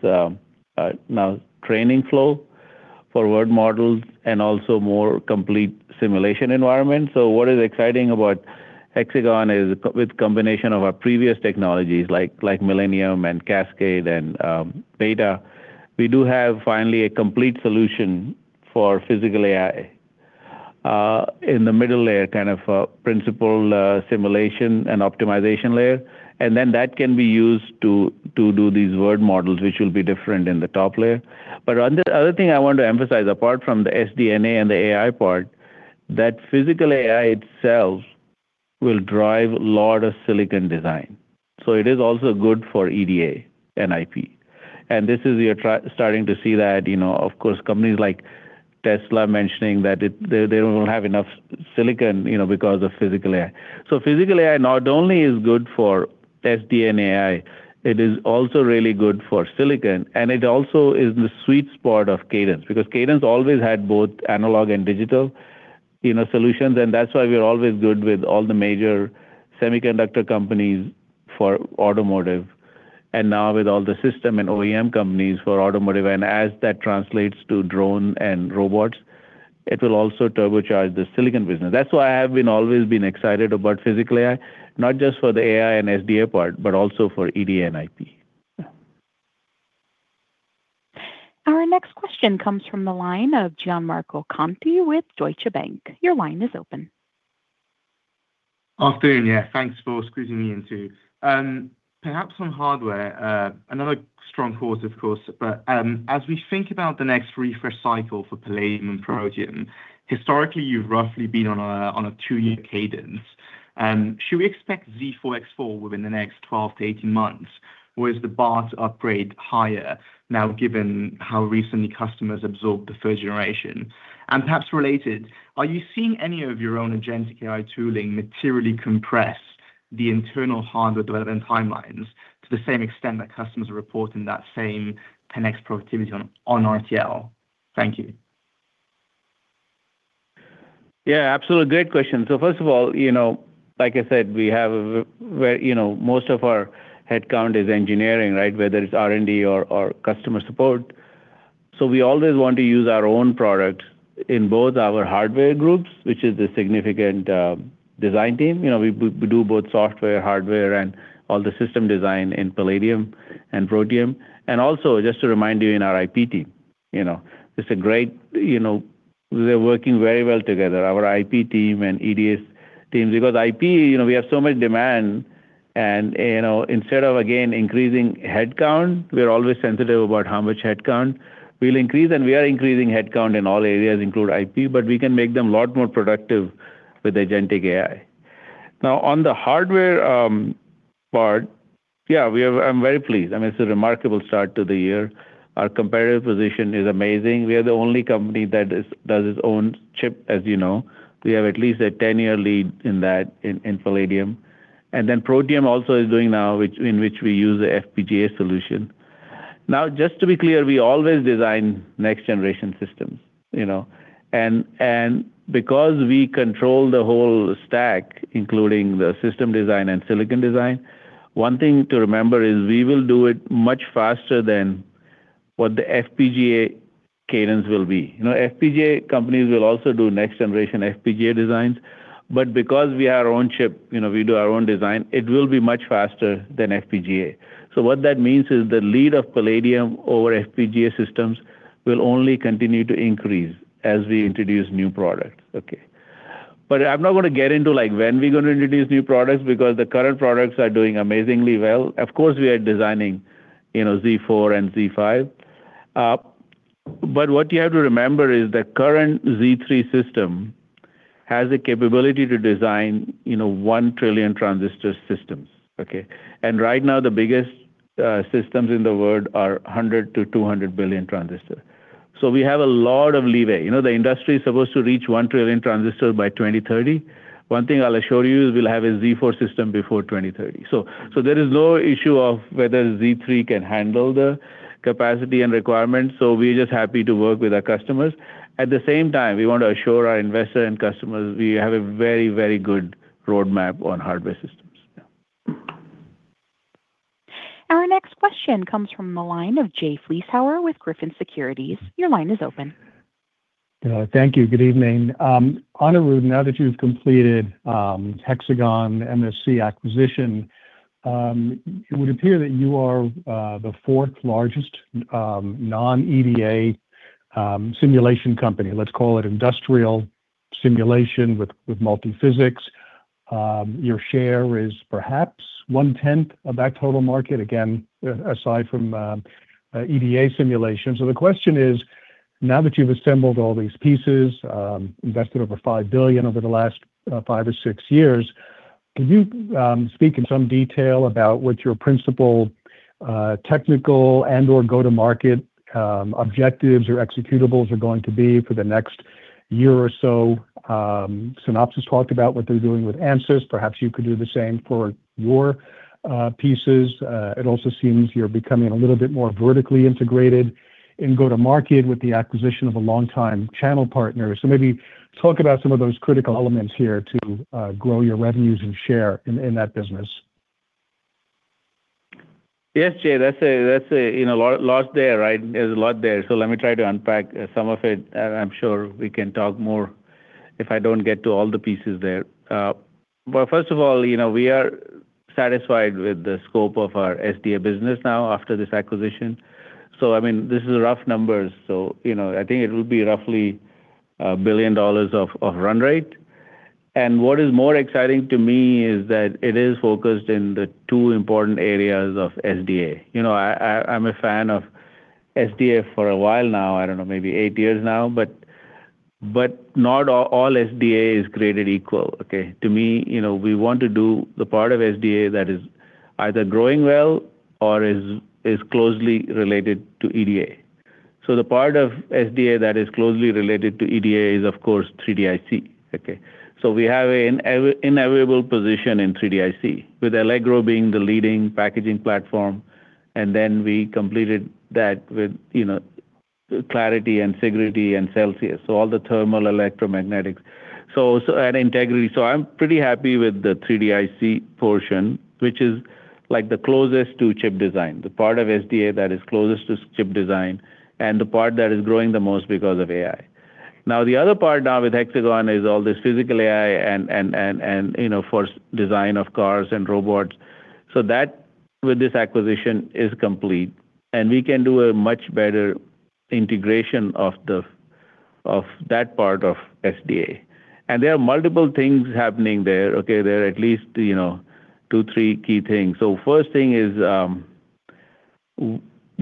new training flow for world models and also more complete simulation environment. What is exciting about Hexagon is with combination of our previous technologies like Millennium and Cascade and Beta, we do have finally a complete solution for physical AI in the middle layer, kind of a principal simulation and optimization layer. Then that can be used to do these world models, which will be different in the top layer. Another thing I want to emphasize, apart from the SDA and the AI part, that physical AI itself will drive a lot of silicon design. It is also good for EDA and IP, and we are starting to see that, you know, of course, companies like Tesla mentioning that they don't have enough silicon, you know, because of physical AI. Physical AI not only is good for SDA and AI, it is also really good for silicon, and it also is the sweet spot of Cadence because Cadence always had both analog and digital in our solutions, and that's why we are always good with all the major semiconductor companies for automotive and now with all the system and OEM companies for automotive. As that translates to drone and robots, it'll also turbocharge the silicon business. That's why I have always been excited about physical AI, not just for the AI and SDA part, but also for EDA and IP. Our next question comes from the line of Gianmarco Conti with Deutsche Bank. Your line is open. Afternoon, yeah. Thanks for squeezing me in too. Perhaps on hardware, another strong quarter of course. As we think about the next refresh cycle for Palladium and Protium, historically, you've roughly been on a two-year cadence. Should we expect Z4, X4 within the next 12-18 months? Or is the bar to upgrade higher now given how recently customers absorbed the first generation? Perhaps related, are you seeing any of your own agentic AI tooling materially compress the internal hardware development timelines to the same extent that customers are reporting that same 10x productivity on RTL? Thank you. Yeah, absolutely. Great question. First of all, you know, like I said, we have a very, you know, most of our headcount is engineering, right? Whether it's R&D or customer support. We always want to use our own product in both our hardware groups, which is a significant design team. You know, we do both software, hardware, and all the system design in Palladium and Protium. Also, just to remind you, in our IP team, you know. It's great. You know, they're working very well together, our IP team and EDS team. Because IP, you know, we have so much demand and you know, instead of again increasing headcount, we're always sensitive about how much headcount we'll increase, and we are increasing headcount in all areas, including IP, but we can make them a lot more productive with agentic AI. Now, on the hardware, part, yeah, we have, I'm very pleased. I mean, it's a remarkable start to the year. Our competitive position is amazing. We are the only company that is, does its own chip, as you know. We have at least a ten-year lead in that in Palladium. Then Protium also is doing now, in which we use the FPGA solution. Now, just to be clear, we always design next generation systems, you know? Because we control the whole stack, including the system design and silicon design, one thing to remember is we will do it much faster than what the FPGA cadence will be. You know, FPGA companies will also do next generation FPGA designs, but because we do our own chip, you know, we do our own design, it will be much faster than FPGA. What that means is the lead of Palladium over FPGA systems will only continue to increase as we introduce new products. Okay. I'm not gonna get into, like, when we're gonna introduce new products because the current products are doing amazingly well. Of course, we are designing, you know, Z4 and Z5. What you have to remember is the current Z3 system has the capability to design, you know, 1 trillion transistor systems, okay? Right now the biggest systems in the world are 100 billion-200 billion transistor. We have a lot of leeway. You know, the industry is supposed to reach 1 trillion transistor by 2030. One thing I'll assure you is we'll have a Z4 system before 2030. there is no issue of whether Z3 can handle the capacity and requirements, so we're just happy to work with our customers. At the same time, we want to assure our investors and customers we have a very, very good roadmap on hardware systems. Yeah. Our next question comes from the line of Jay Vleeschhouwer with Griffin Securities. Your line is open. Thank you. Good evening. Anirudh, now that you've completed Hexagon MSC acquisition, it would appear that you are the fourth largest non-EDA simulation company. Let's call it industrial simulation with multiphysics. Your share is perhaps 1/10 of that total market, again, aside from EDA simulation. The question is, now that you've assembled all these pieces, invested over $5 billion over the last five or six years, could you speak in some detail about what your principal technical and/or go-to-market objectives or executables are going to be for the next year or so? Synopsys talked about what they're doing with Ansys. Perhaps you could do the same for your pieces. It also seems you're becoming a little bit more vertically integrated in go-to-market with the acquisition of a longtime channel partner. Maybe talk about some of those critical elements here to grow your revenues and share in that business. Yes, Jay, that's a you know, a lot there, right? There's a lot there. Let me try to unpack some of it, and I'm sure we can talk more if I don't get to all the pieces there. First of all, you know, we are satisfied with the scope of our SDA business now after this acquisition. I mean, this is rough numbers. You know, I think it will be roughly $1 billion of run rate. What is more exciting to me is that it is focused in the two important areas of SDA. You know, I'm a fan of SDA for a while now, I don't know, maybe eight years now, but not all SDA is created equal, okay? To me, you know, we want to do the part of SDA that is either growing well or is closely related to EDA. The part of SDA that is closely related to EDA is, of course, 3D IC, okay? We have an inevitable position in 3D IC, with Allegro being the leading packaging platform, and then we completed that with, you know, Clarity, Integrity, and Celsius, so all the thermal electromagnetics. I'm pretty happy with the 3D IC portion, which is, like, the closest to chip design, the part of SDA that is closest to chip design and the part that is growing the most because of AI. Now, the other part now with Hexagon is all this physical AI and, you know, for design of cars and robots. Now that this acquisition is complete, and we can do a much better integration of that part of SDA and there are multiple things happening there, okay? There are at least, you know, two, three key things. First thing is,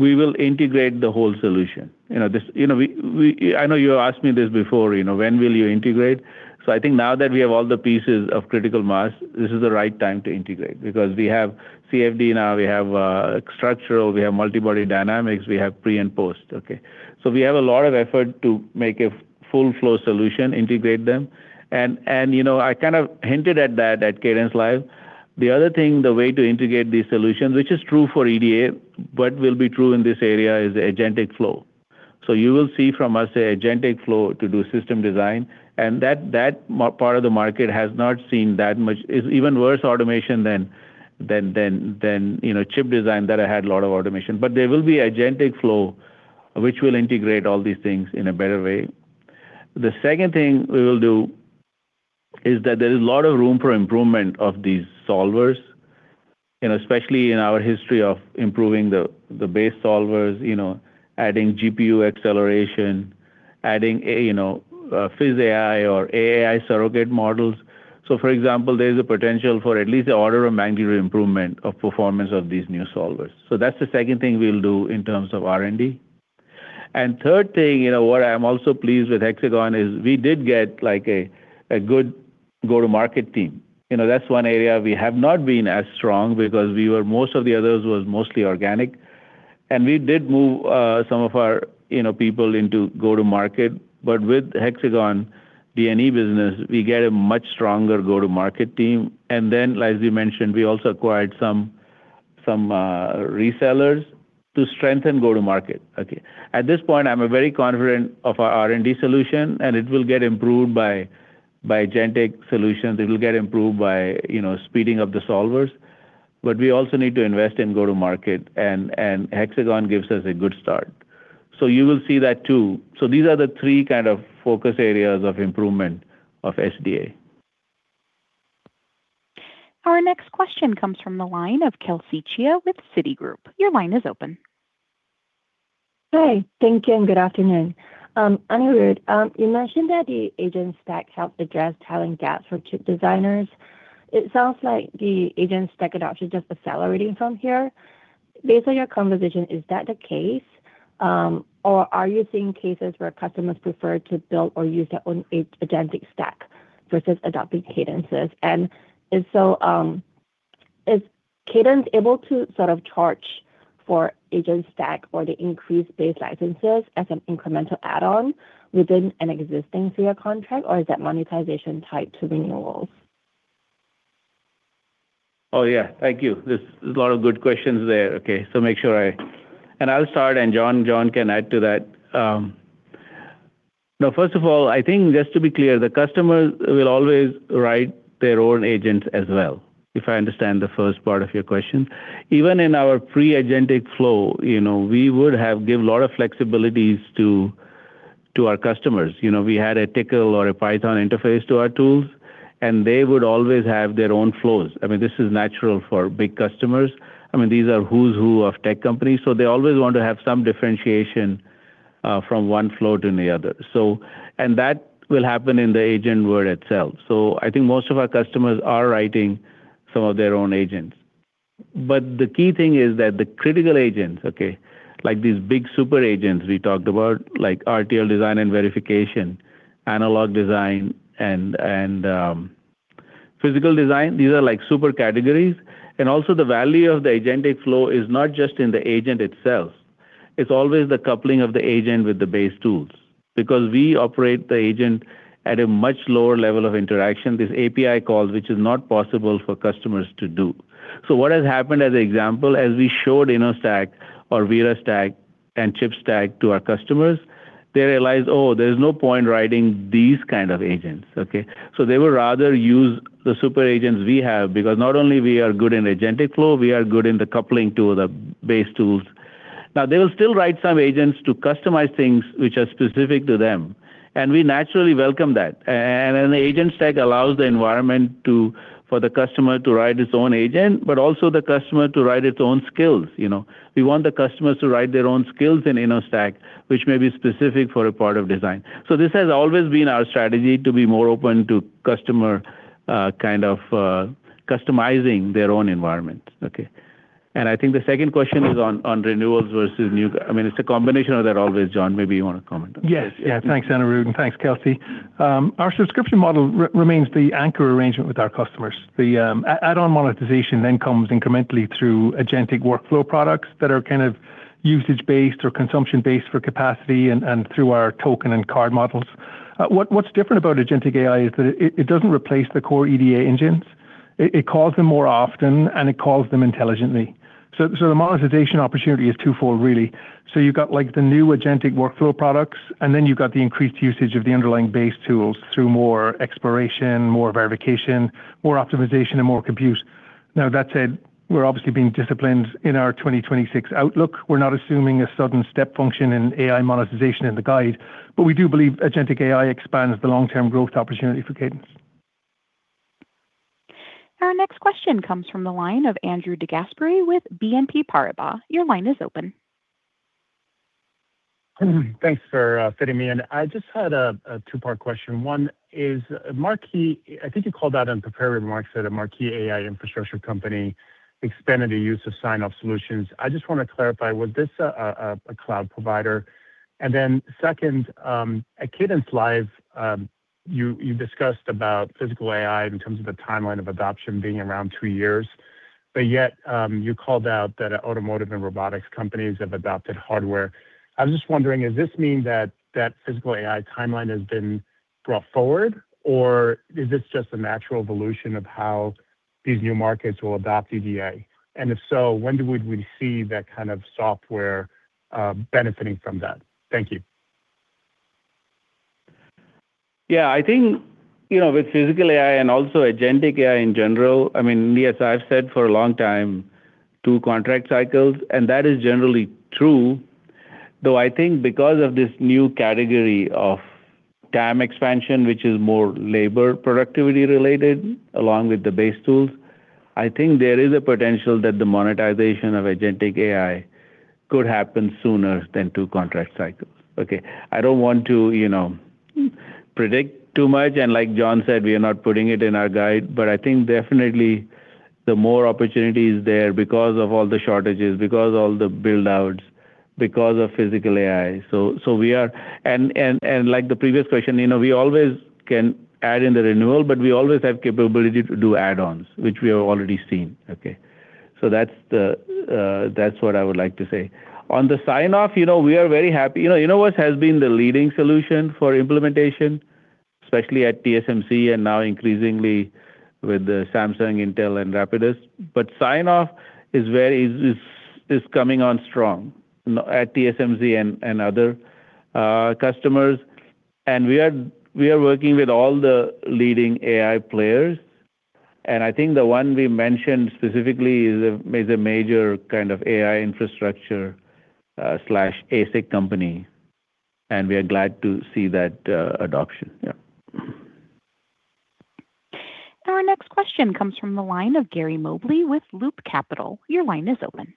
we will integrate the whole solution. You know, I know you asked me this before, you know, when will you integrate? I think now that we have all the pieces of critical mass, this is the right time to integrate because we have CFD now, we have structural, we have multi-body dynamics, we have pre and post, okay? We have a lot of effort to make a full flow solution, integrate them. And you know, I kind of hinted at that at CadenceLIVE. The other thing, the way to integrate these solutions, which is true for EDA, but will be true in this area is agentic flow. You will see from us an agentic flow to do system design, and that part of the market has not seen that much. It's even worse automation than you know, chip design that had a lot of automation. There will be agentic flow which will integrate all these things in a better way. The second thing we will do is that there is a lot of room for improvement of these solvers, you know, especially in our history of improving the base solvers, you know, adding GPU acceleration, adding you know, a physics AI or AI surrogate models. For example, there is a potential for at least the order of magnitude improvement of performance of these new solvers. That's the second thing we'll do in terms of R&D. Third thing, you know, what I'm also pleased with Hexagon is we did get a good go-to-market team. You know, that's one area we have not been as strong because most of the others was mostly organic, and we did move some of our, you know, people into go-to-market. With Hexagon D&E business, we get a much stronger go-to-market team. Then, as we mentioned, we also acquired some resellers to strengthen go-to-market. Okay. At this point, I'm very confident of our R&D solution, and it will get improved by agentic solutions. It will get improved by, you know, speeding of the solvers. We also need to invest in go-to-market and Hexagon gives us a good start. You will see that too. These are the three kind of focus areas of improvement of SDA. Our next question comes from the line of Kelsey Chia with Citigroup. Your line is open. Hey. Thank you, and good afternoon. Anirudh, you mentioned that the AgentStack helped address talent gaps for chip designers. It sounds like the AgentStack adoption is just accelerating from here. Based on your conversation, is that the case? Or are you seeing cases where customers prefer to build or use their own agentic stack versus adopting Cadence's? And if so, is Cadence able to sort of charge for AgentStack or the increased base licenses as an incremental add-on within an existing via contract, or is that monetization tied to renewals? Oh, yeah. Thank you. There's a lot of good questions there, okay. I'll start, and John can add to that. Now, first of all, I think just to be clear, the customers will always write their own agent as well, if I understand the first part of your question. Even in our pre-agentic flow, you know, we would have give a lot of flexibilities to our customers. You know, we had a TCL or a Python interface to our tools, and they would always have their own flows. I mean, this is natural for big customers. I mean, these are who's who of tech companies, so they always want to have some differentiation from one flow to the other. That will happen in the agent world itself. I think most of our customers are writing some of their own agents. The key thing is that the critical agents, okay, like these big super agents we talked about, like RTL design and verification, analog design and physical design, these are like super categories. Also the value of the agentic flow is not just in the agent itself. It's always the coupling of the agent with the base tools because we operate the agent at a much lower level of interaction, these API calls, which is not possible for customers to do. What has happened as an example, as we showed InnoStack or ViraStack and ChipStack to our customers, they realized, "Oh, there's no point writing these kind of agents." Okay? They would rather use the super agents we have because not only we are good in agentic flow, we are good in the coupling to the base tools. Now, they will still write some agents to customize things which are specific to them, and we naturally welcome that. The AgentStack allows the environment for the customer to write its own agent, but also the customer to write its own skills. You know? We want the customers to write their own skills in InnoStack, which may be specific for a part of design. This has always been our strategy to be more open to customer, kind of, customizing their own environment. Okay. I think the second question is on renewals. I mean, it's a combination of that always. John, maybe you wanna comment on this. Yes. Yeah. Thanks, Anirudh, and thanks, Kelsey. Our subscription model remains the anchor arrangement with our customers. Add-on monetization then comes incrementally through agentic workflow products that are kind of usage-based or consumption-based for capacity and through our token and card models. What's different about agentic AI is that it doesn't replace the core EDA engines. It calls them more often, and it calls them intelligently. The monetization opportunity is twofold, really. You've got, like, the new agentic workflow products, and then you've got the increased usage of the underlying base tools through more exploration, more verification, more optimization, and more compute. That said, we're obviously being disciplined in our 2026 outlook. We're not assuming a sudden step function in AI monetization in the guide, but we do believe agentic AI expands the long-term growth opportunity for Cadence. Our next question comes from the line of Andrew DeGasperi with BNP Paribas. Your line is open. Thanks for fitting me in. I just had a two-part question. One is Marquee. I think you called out in prepared remarks that a Marquee AI infrastructure company expanded the use of sign-off solutions. I just want to clarify, was this a cloud provider? And then second, at Cadence Live, you discussed about physical AI in terms of the timeline of adoption being around two years, but yet, you called out that automotive and robotics companies have adopted hardware. I'm just wondering, does this mean that physical AI timeline has been brought forward, or is this just a natural evolution of how these new markets will adopt EDA? And if so, when would we see that kind of software benefiting from that? Thank you. Yeah. I think, you know, with physical AI and also agentic AI in general, I mean, yes, I've said for a long time two contract cycles, and that is generally true, though I think because of this new category of demand expansion, which is more labor productivity related along with the base tools, I think there is a potential that the monetization of agentic AI could happen sooner than two contract cycles. Okay. I don't want to, you know, predict too much, and like John said, we are not putting it in our guide, but I think definitely there are more opportunities there because of all the shortages, because all the build-outs, because of physical AI. Like the previous question, you know, we always can add in the renewal, but we always have capability to do add-ons, which we have already seen, okay? That's what I would like to say. On the sign-off, you know, we are very happy. You know what has been the leading solution for implementation, especially at TSMC and now increasingly with the Samsung, Intel and Rapidus? Sign-off is coming on strong at TSMC and other customers. We are working with all the leading AI players, and I think the one we mentioned specifically is a major kind of AI infrastructure / ASIC company, and we are glad to see that adoption. Our next question comes from the line of Gary Mobley with Loop Capital. Your line is open.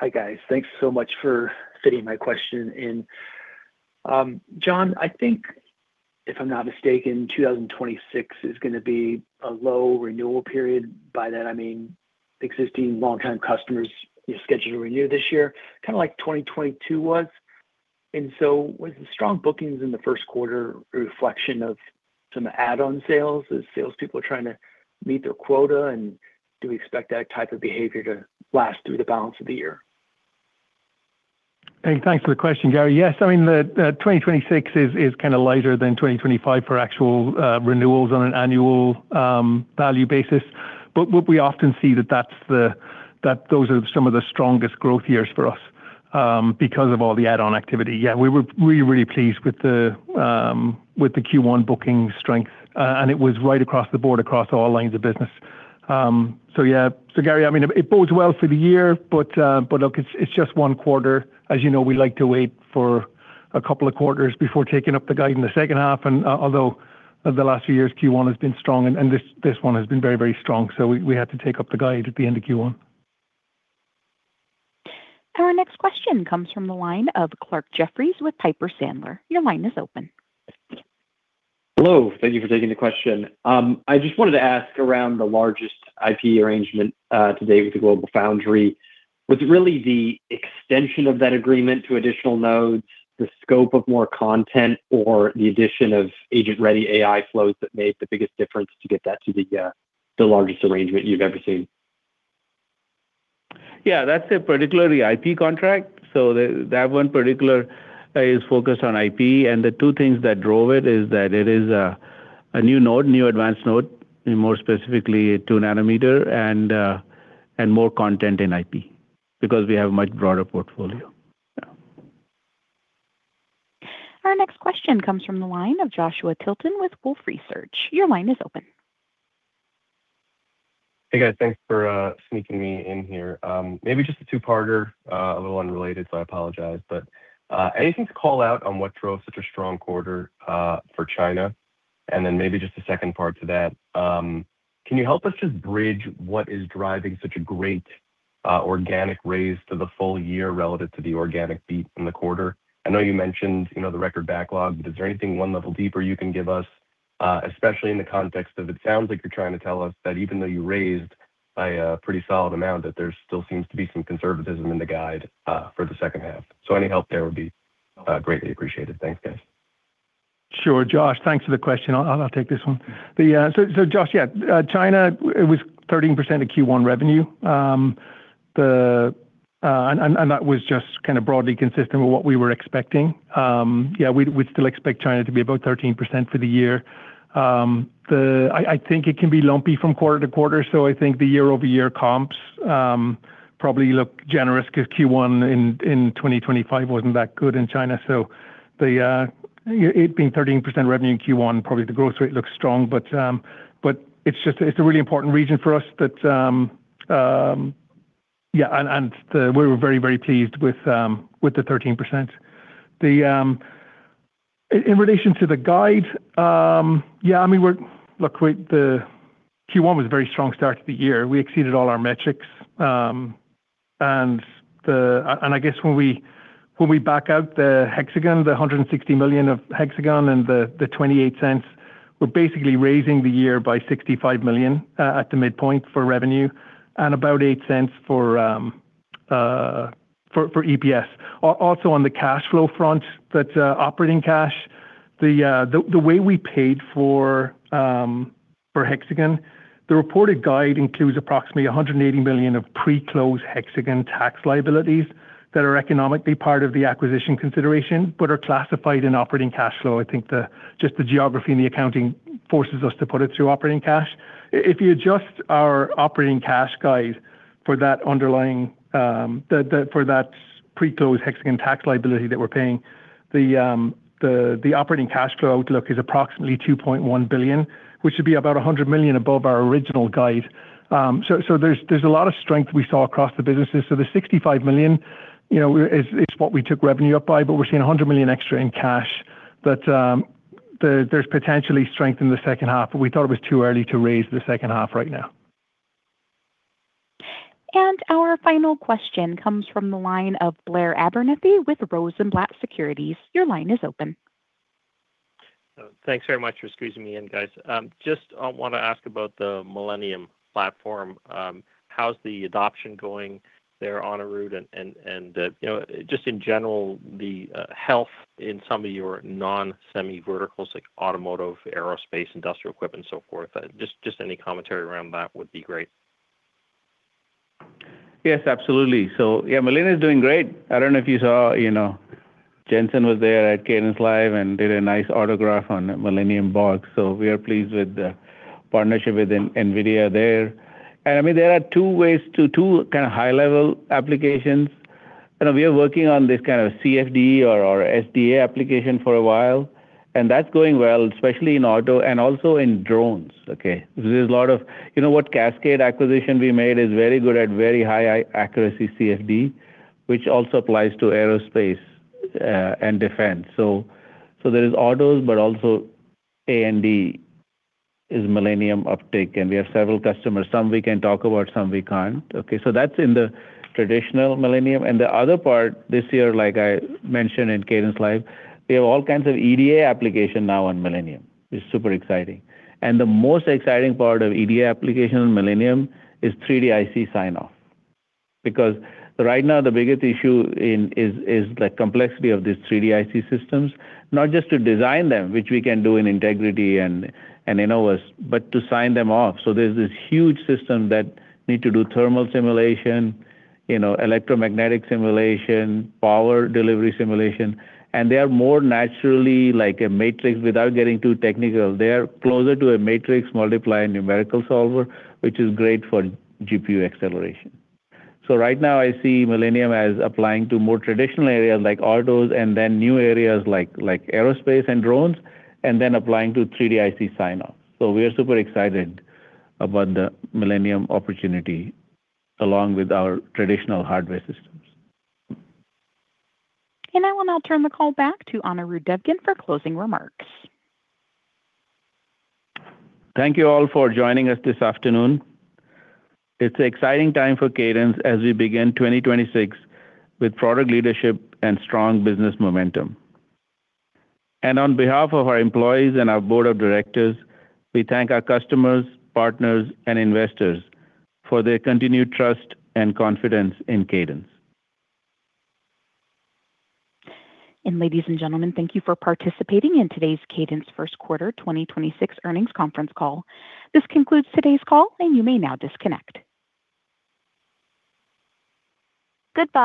Hi, guys. Thanks so much for fitting my question in. John, I think if I'm not mistaken, 2026 is gonna be a low renewal period. By that I mean existing longtime customers scheduled to renew this year, kind of like 2022 was. Was the strong bookings in the first quarter a reflection of some add-on sales as salespeople are trying to meet their quota, and do we expect that type of behavior to last through the balance of the year? Hey, thanks for the question, Gary. Yes. I mean, the 2026 is kinda lighter than 2025 for actual renewals on an annual value basis. What we often see is that those are some of the strongest growth years for us, because of all the add-on activity. Yeah, we were really pleased with the Q1 booking strength, and it was right across the board across all lines of business. Yeah. Gary, I mean, it bodes well for the year, but look, it's just one quarter. As you know, we like to wait for a couple of quarters before taking up the guide in the second half. Although the last few years Q1 has been strong and this one has been very strong, so we had to take up the guide at the end of Q1. Our next question comes from the line of Clarke Jeffries with Piper Sandler. Your line is open. Hello. Thank you for taking the question. I just wanted to ask around the largest IP arrangement today with the GlobalFoundries foundry. Was it really the extension of that agreement to additional nodes, the scope of more content, or the addition of agent-ready AI flows that made the biggest difference to get that to the largest arrangement you've ever seen? Yeah, that's a particular IP contract, so that one particular is focused on IP, and the two things that drove it is that it is a new node, new advanced node, and more specifically a 2-nm and more content in IP because we have a much broader portfolio. Yeah. Our next question comes from the line of Joshua Tilton with Wolfe Research. Your line is open. Hey, guys. Thanks for sneaking me in here. Maybe just a two-parter, a little unrelated, so I apologize. Anything to call out on what drove such a strong quarter for China? Maybe just a second part to that, can you help us just bridge what is driving such a great organic raise to the full year relative to the organic beat in the quarter? I know you mentioned, you know, the record backlog. Is there anything one level deeper you can give us, especially in the context of it sounds like you're trying to tell us that even though you raised by a pretty solid amount, that there still seems to be some conservatism in the guide for the second half. Any help there would be greatly appreciated. Thanks, guys. Sure, Josh. Thanks for the question. I'll take this one. Josh, yeah, China it was 13% of Q1 revenue. That was just kind of broadly consistent with what we were expecting. Yeah, we'd still expect China to be about 13% for the year. I think it can be lumpy from quarter to quarter, so I think the year-over-year comps probably look generous 'cause Q1 in 2025 wasn't that good in China. It being 13% revenue in Q1, probably the growth rate looks strong. It's just, it's a really important region for us that, yeah, and the. We were very pleased with the 13%. In relation to the guide, yeah, I mean, the Q1 was a very strong start to the year. We exceeded all our metrics. I guess when we back out the Hexagon, the $160 million of Hexagon and the $0.28, we're basically raising the year by $65 million at the midpoint for revenue and about $0.08 for EPS. Also on the cash flow front, operating cash, the way we paid for Hexagon, the reported guide includes approximately $180 million of pre-close Hexagon tax liabilities that are economically part of the acquisition consideration, but are classified in operating cash flow. I think just the geography and the accounting forces us to put it through operating cash. If you adjust our operating cash guide for that underlying for that pre-close Hexagon tax liability that we're paying, the operating cash flow outlook is approximately $2.1 billion, which would be about $100 million above our original guide. There's a lot of strength we saw across the businesses. The $65 million, you know, is what we took revenue up by, but we're seeing $100 million extra in cash that there's potentially strength in the second half, but we thought it was too early to raise the second half right now. Our final question comes from the line of Blair Abernethy with Rosenblatt Securities. Your line is open. Thanks very much for squeezing me in, guys. Just wanna ask about the Millennium platform. How's the adoption going there, Anirudh? You know, just in general, the health in some of your non-semi verticals like automotive, aerospace, industrial equipment, so forth. Just any commentary around that would be great. Yes, absolutely. Yeah, Millennium is doing great. I don't know if you saw, you know, Jensen was there at CadenceLIVE and did a nice autograph on a Millennium box. We are pleased with the partnership with NVIDIA there. I mean, there are two ways to two kind of high-level applications. You know, we are working on this kind of CFD or SDA application for a while, and that's going well, especially in auto and also in drones, okay? There's a lot of you know what Cascade acquisition we made is very good at very high accuracy CFD, which also applies to aerospace, and defense. There is autos, but also A&D is Millennium uptake, and we have several customers. Some we can talk about, some we can't, okay? That's in the traditional Millennium. The other part this year, like I mentioned in CadenceLIVE, we have all kinds of EDA application now on Millennium. It's super exciting. The most exciting part of EDA application on Millennium is 3D-IC sign-off. Because right now the biggest issue is the complexity of these 3D-IC systems, not just to design them, which we can do in Integrity and Innovus, but to sign them off. There's this huge system that need to do thermal simulation, you know, electromagnetic simulation, power delivery simulation, and they are more naturally like a matrix without getting too technical. They're closer to a matrix multiplier numerical solver, which is great for GPU acceleration. Right now I see Millennium as applying to more traditional areas like autos and then new areas like aerospace and drones, and then applying to 3D-IC sign-off. We are super excited about the Millennium opportunity along with our traditional hardware systems. I will now turn the call back to Anirudh Devgan for closing remarks. Thank you all for joining us this afternoon. It's an exciting time for Cadence as we begin 2026 with product leadership and strong business momentum. On behalf of our employees and our board of directors, we thank our customers, partners, and investors for their continued trust and confidence in Cadence. Ladies and gentlemen, thank you for participating in today's Cadence first quarter 2026 earnings conference call. This concludes today's call, and you may now disconnect. Good day.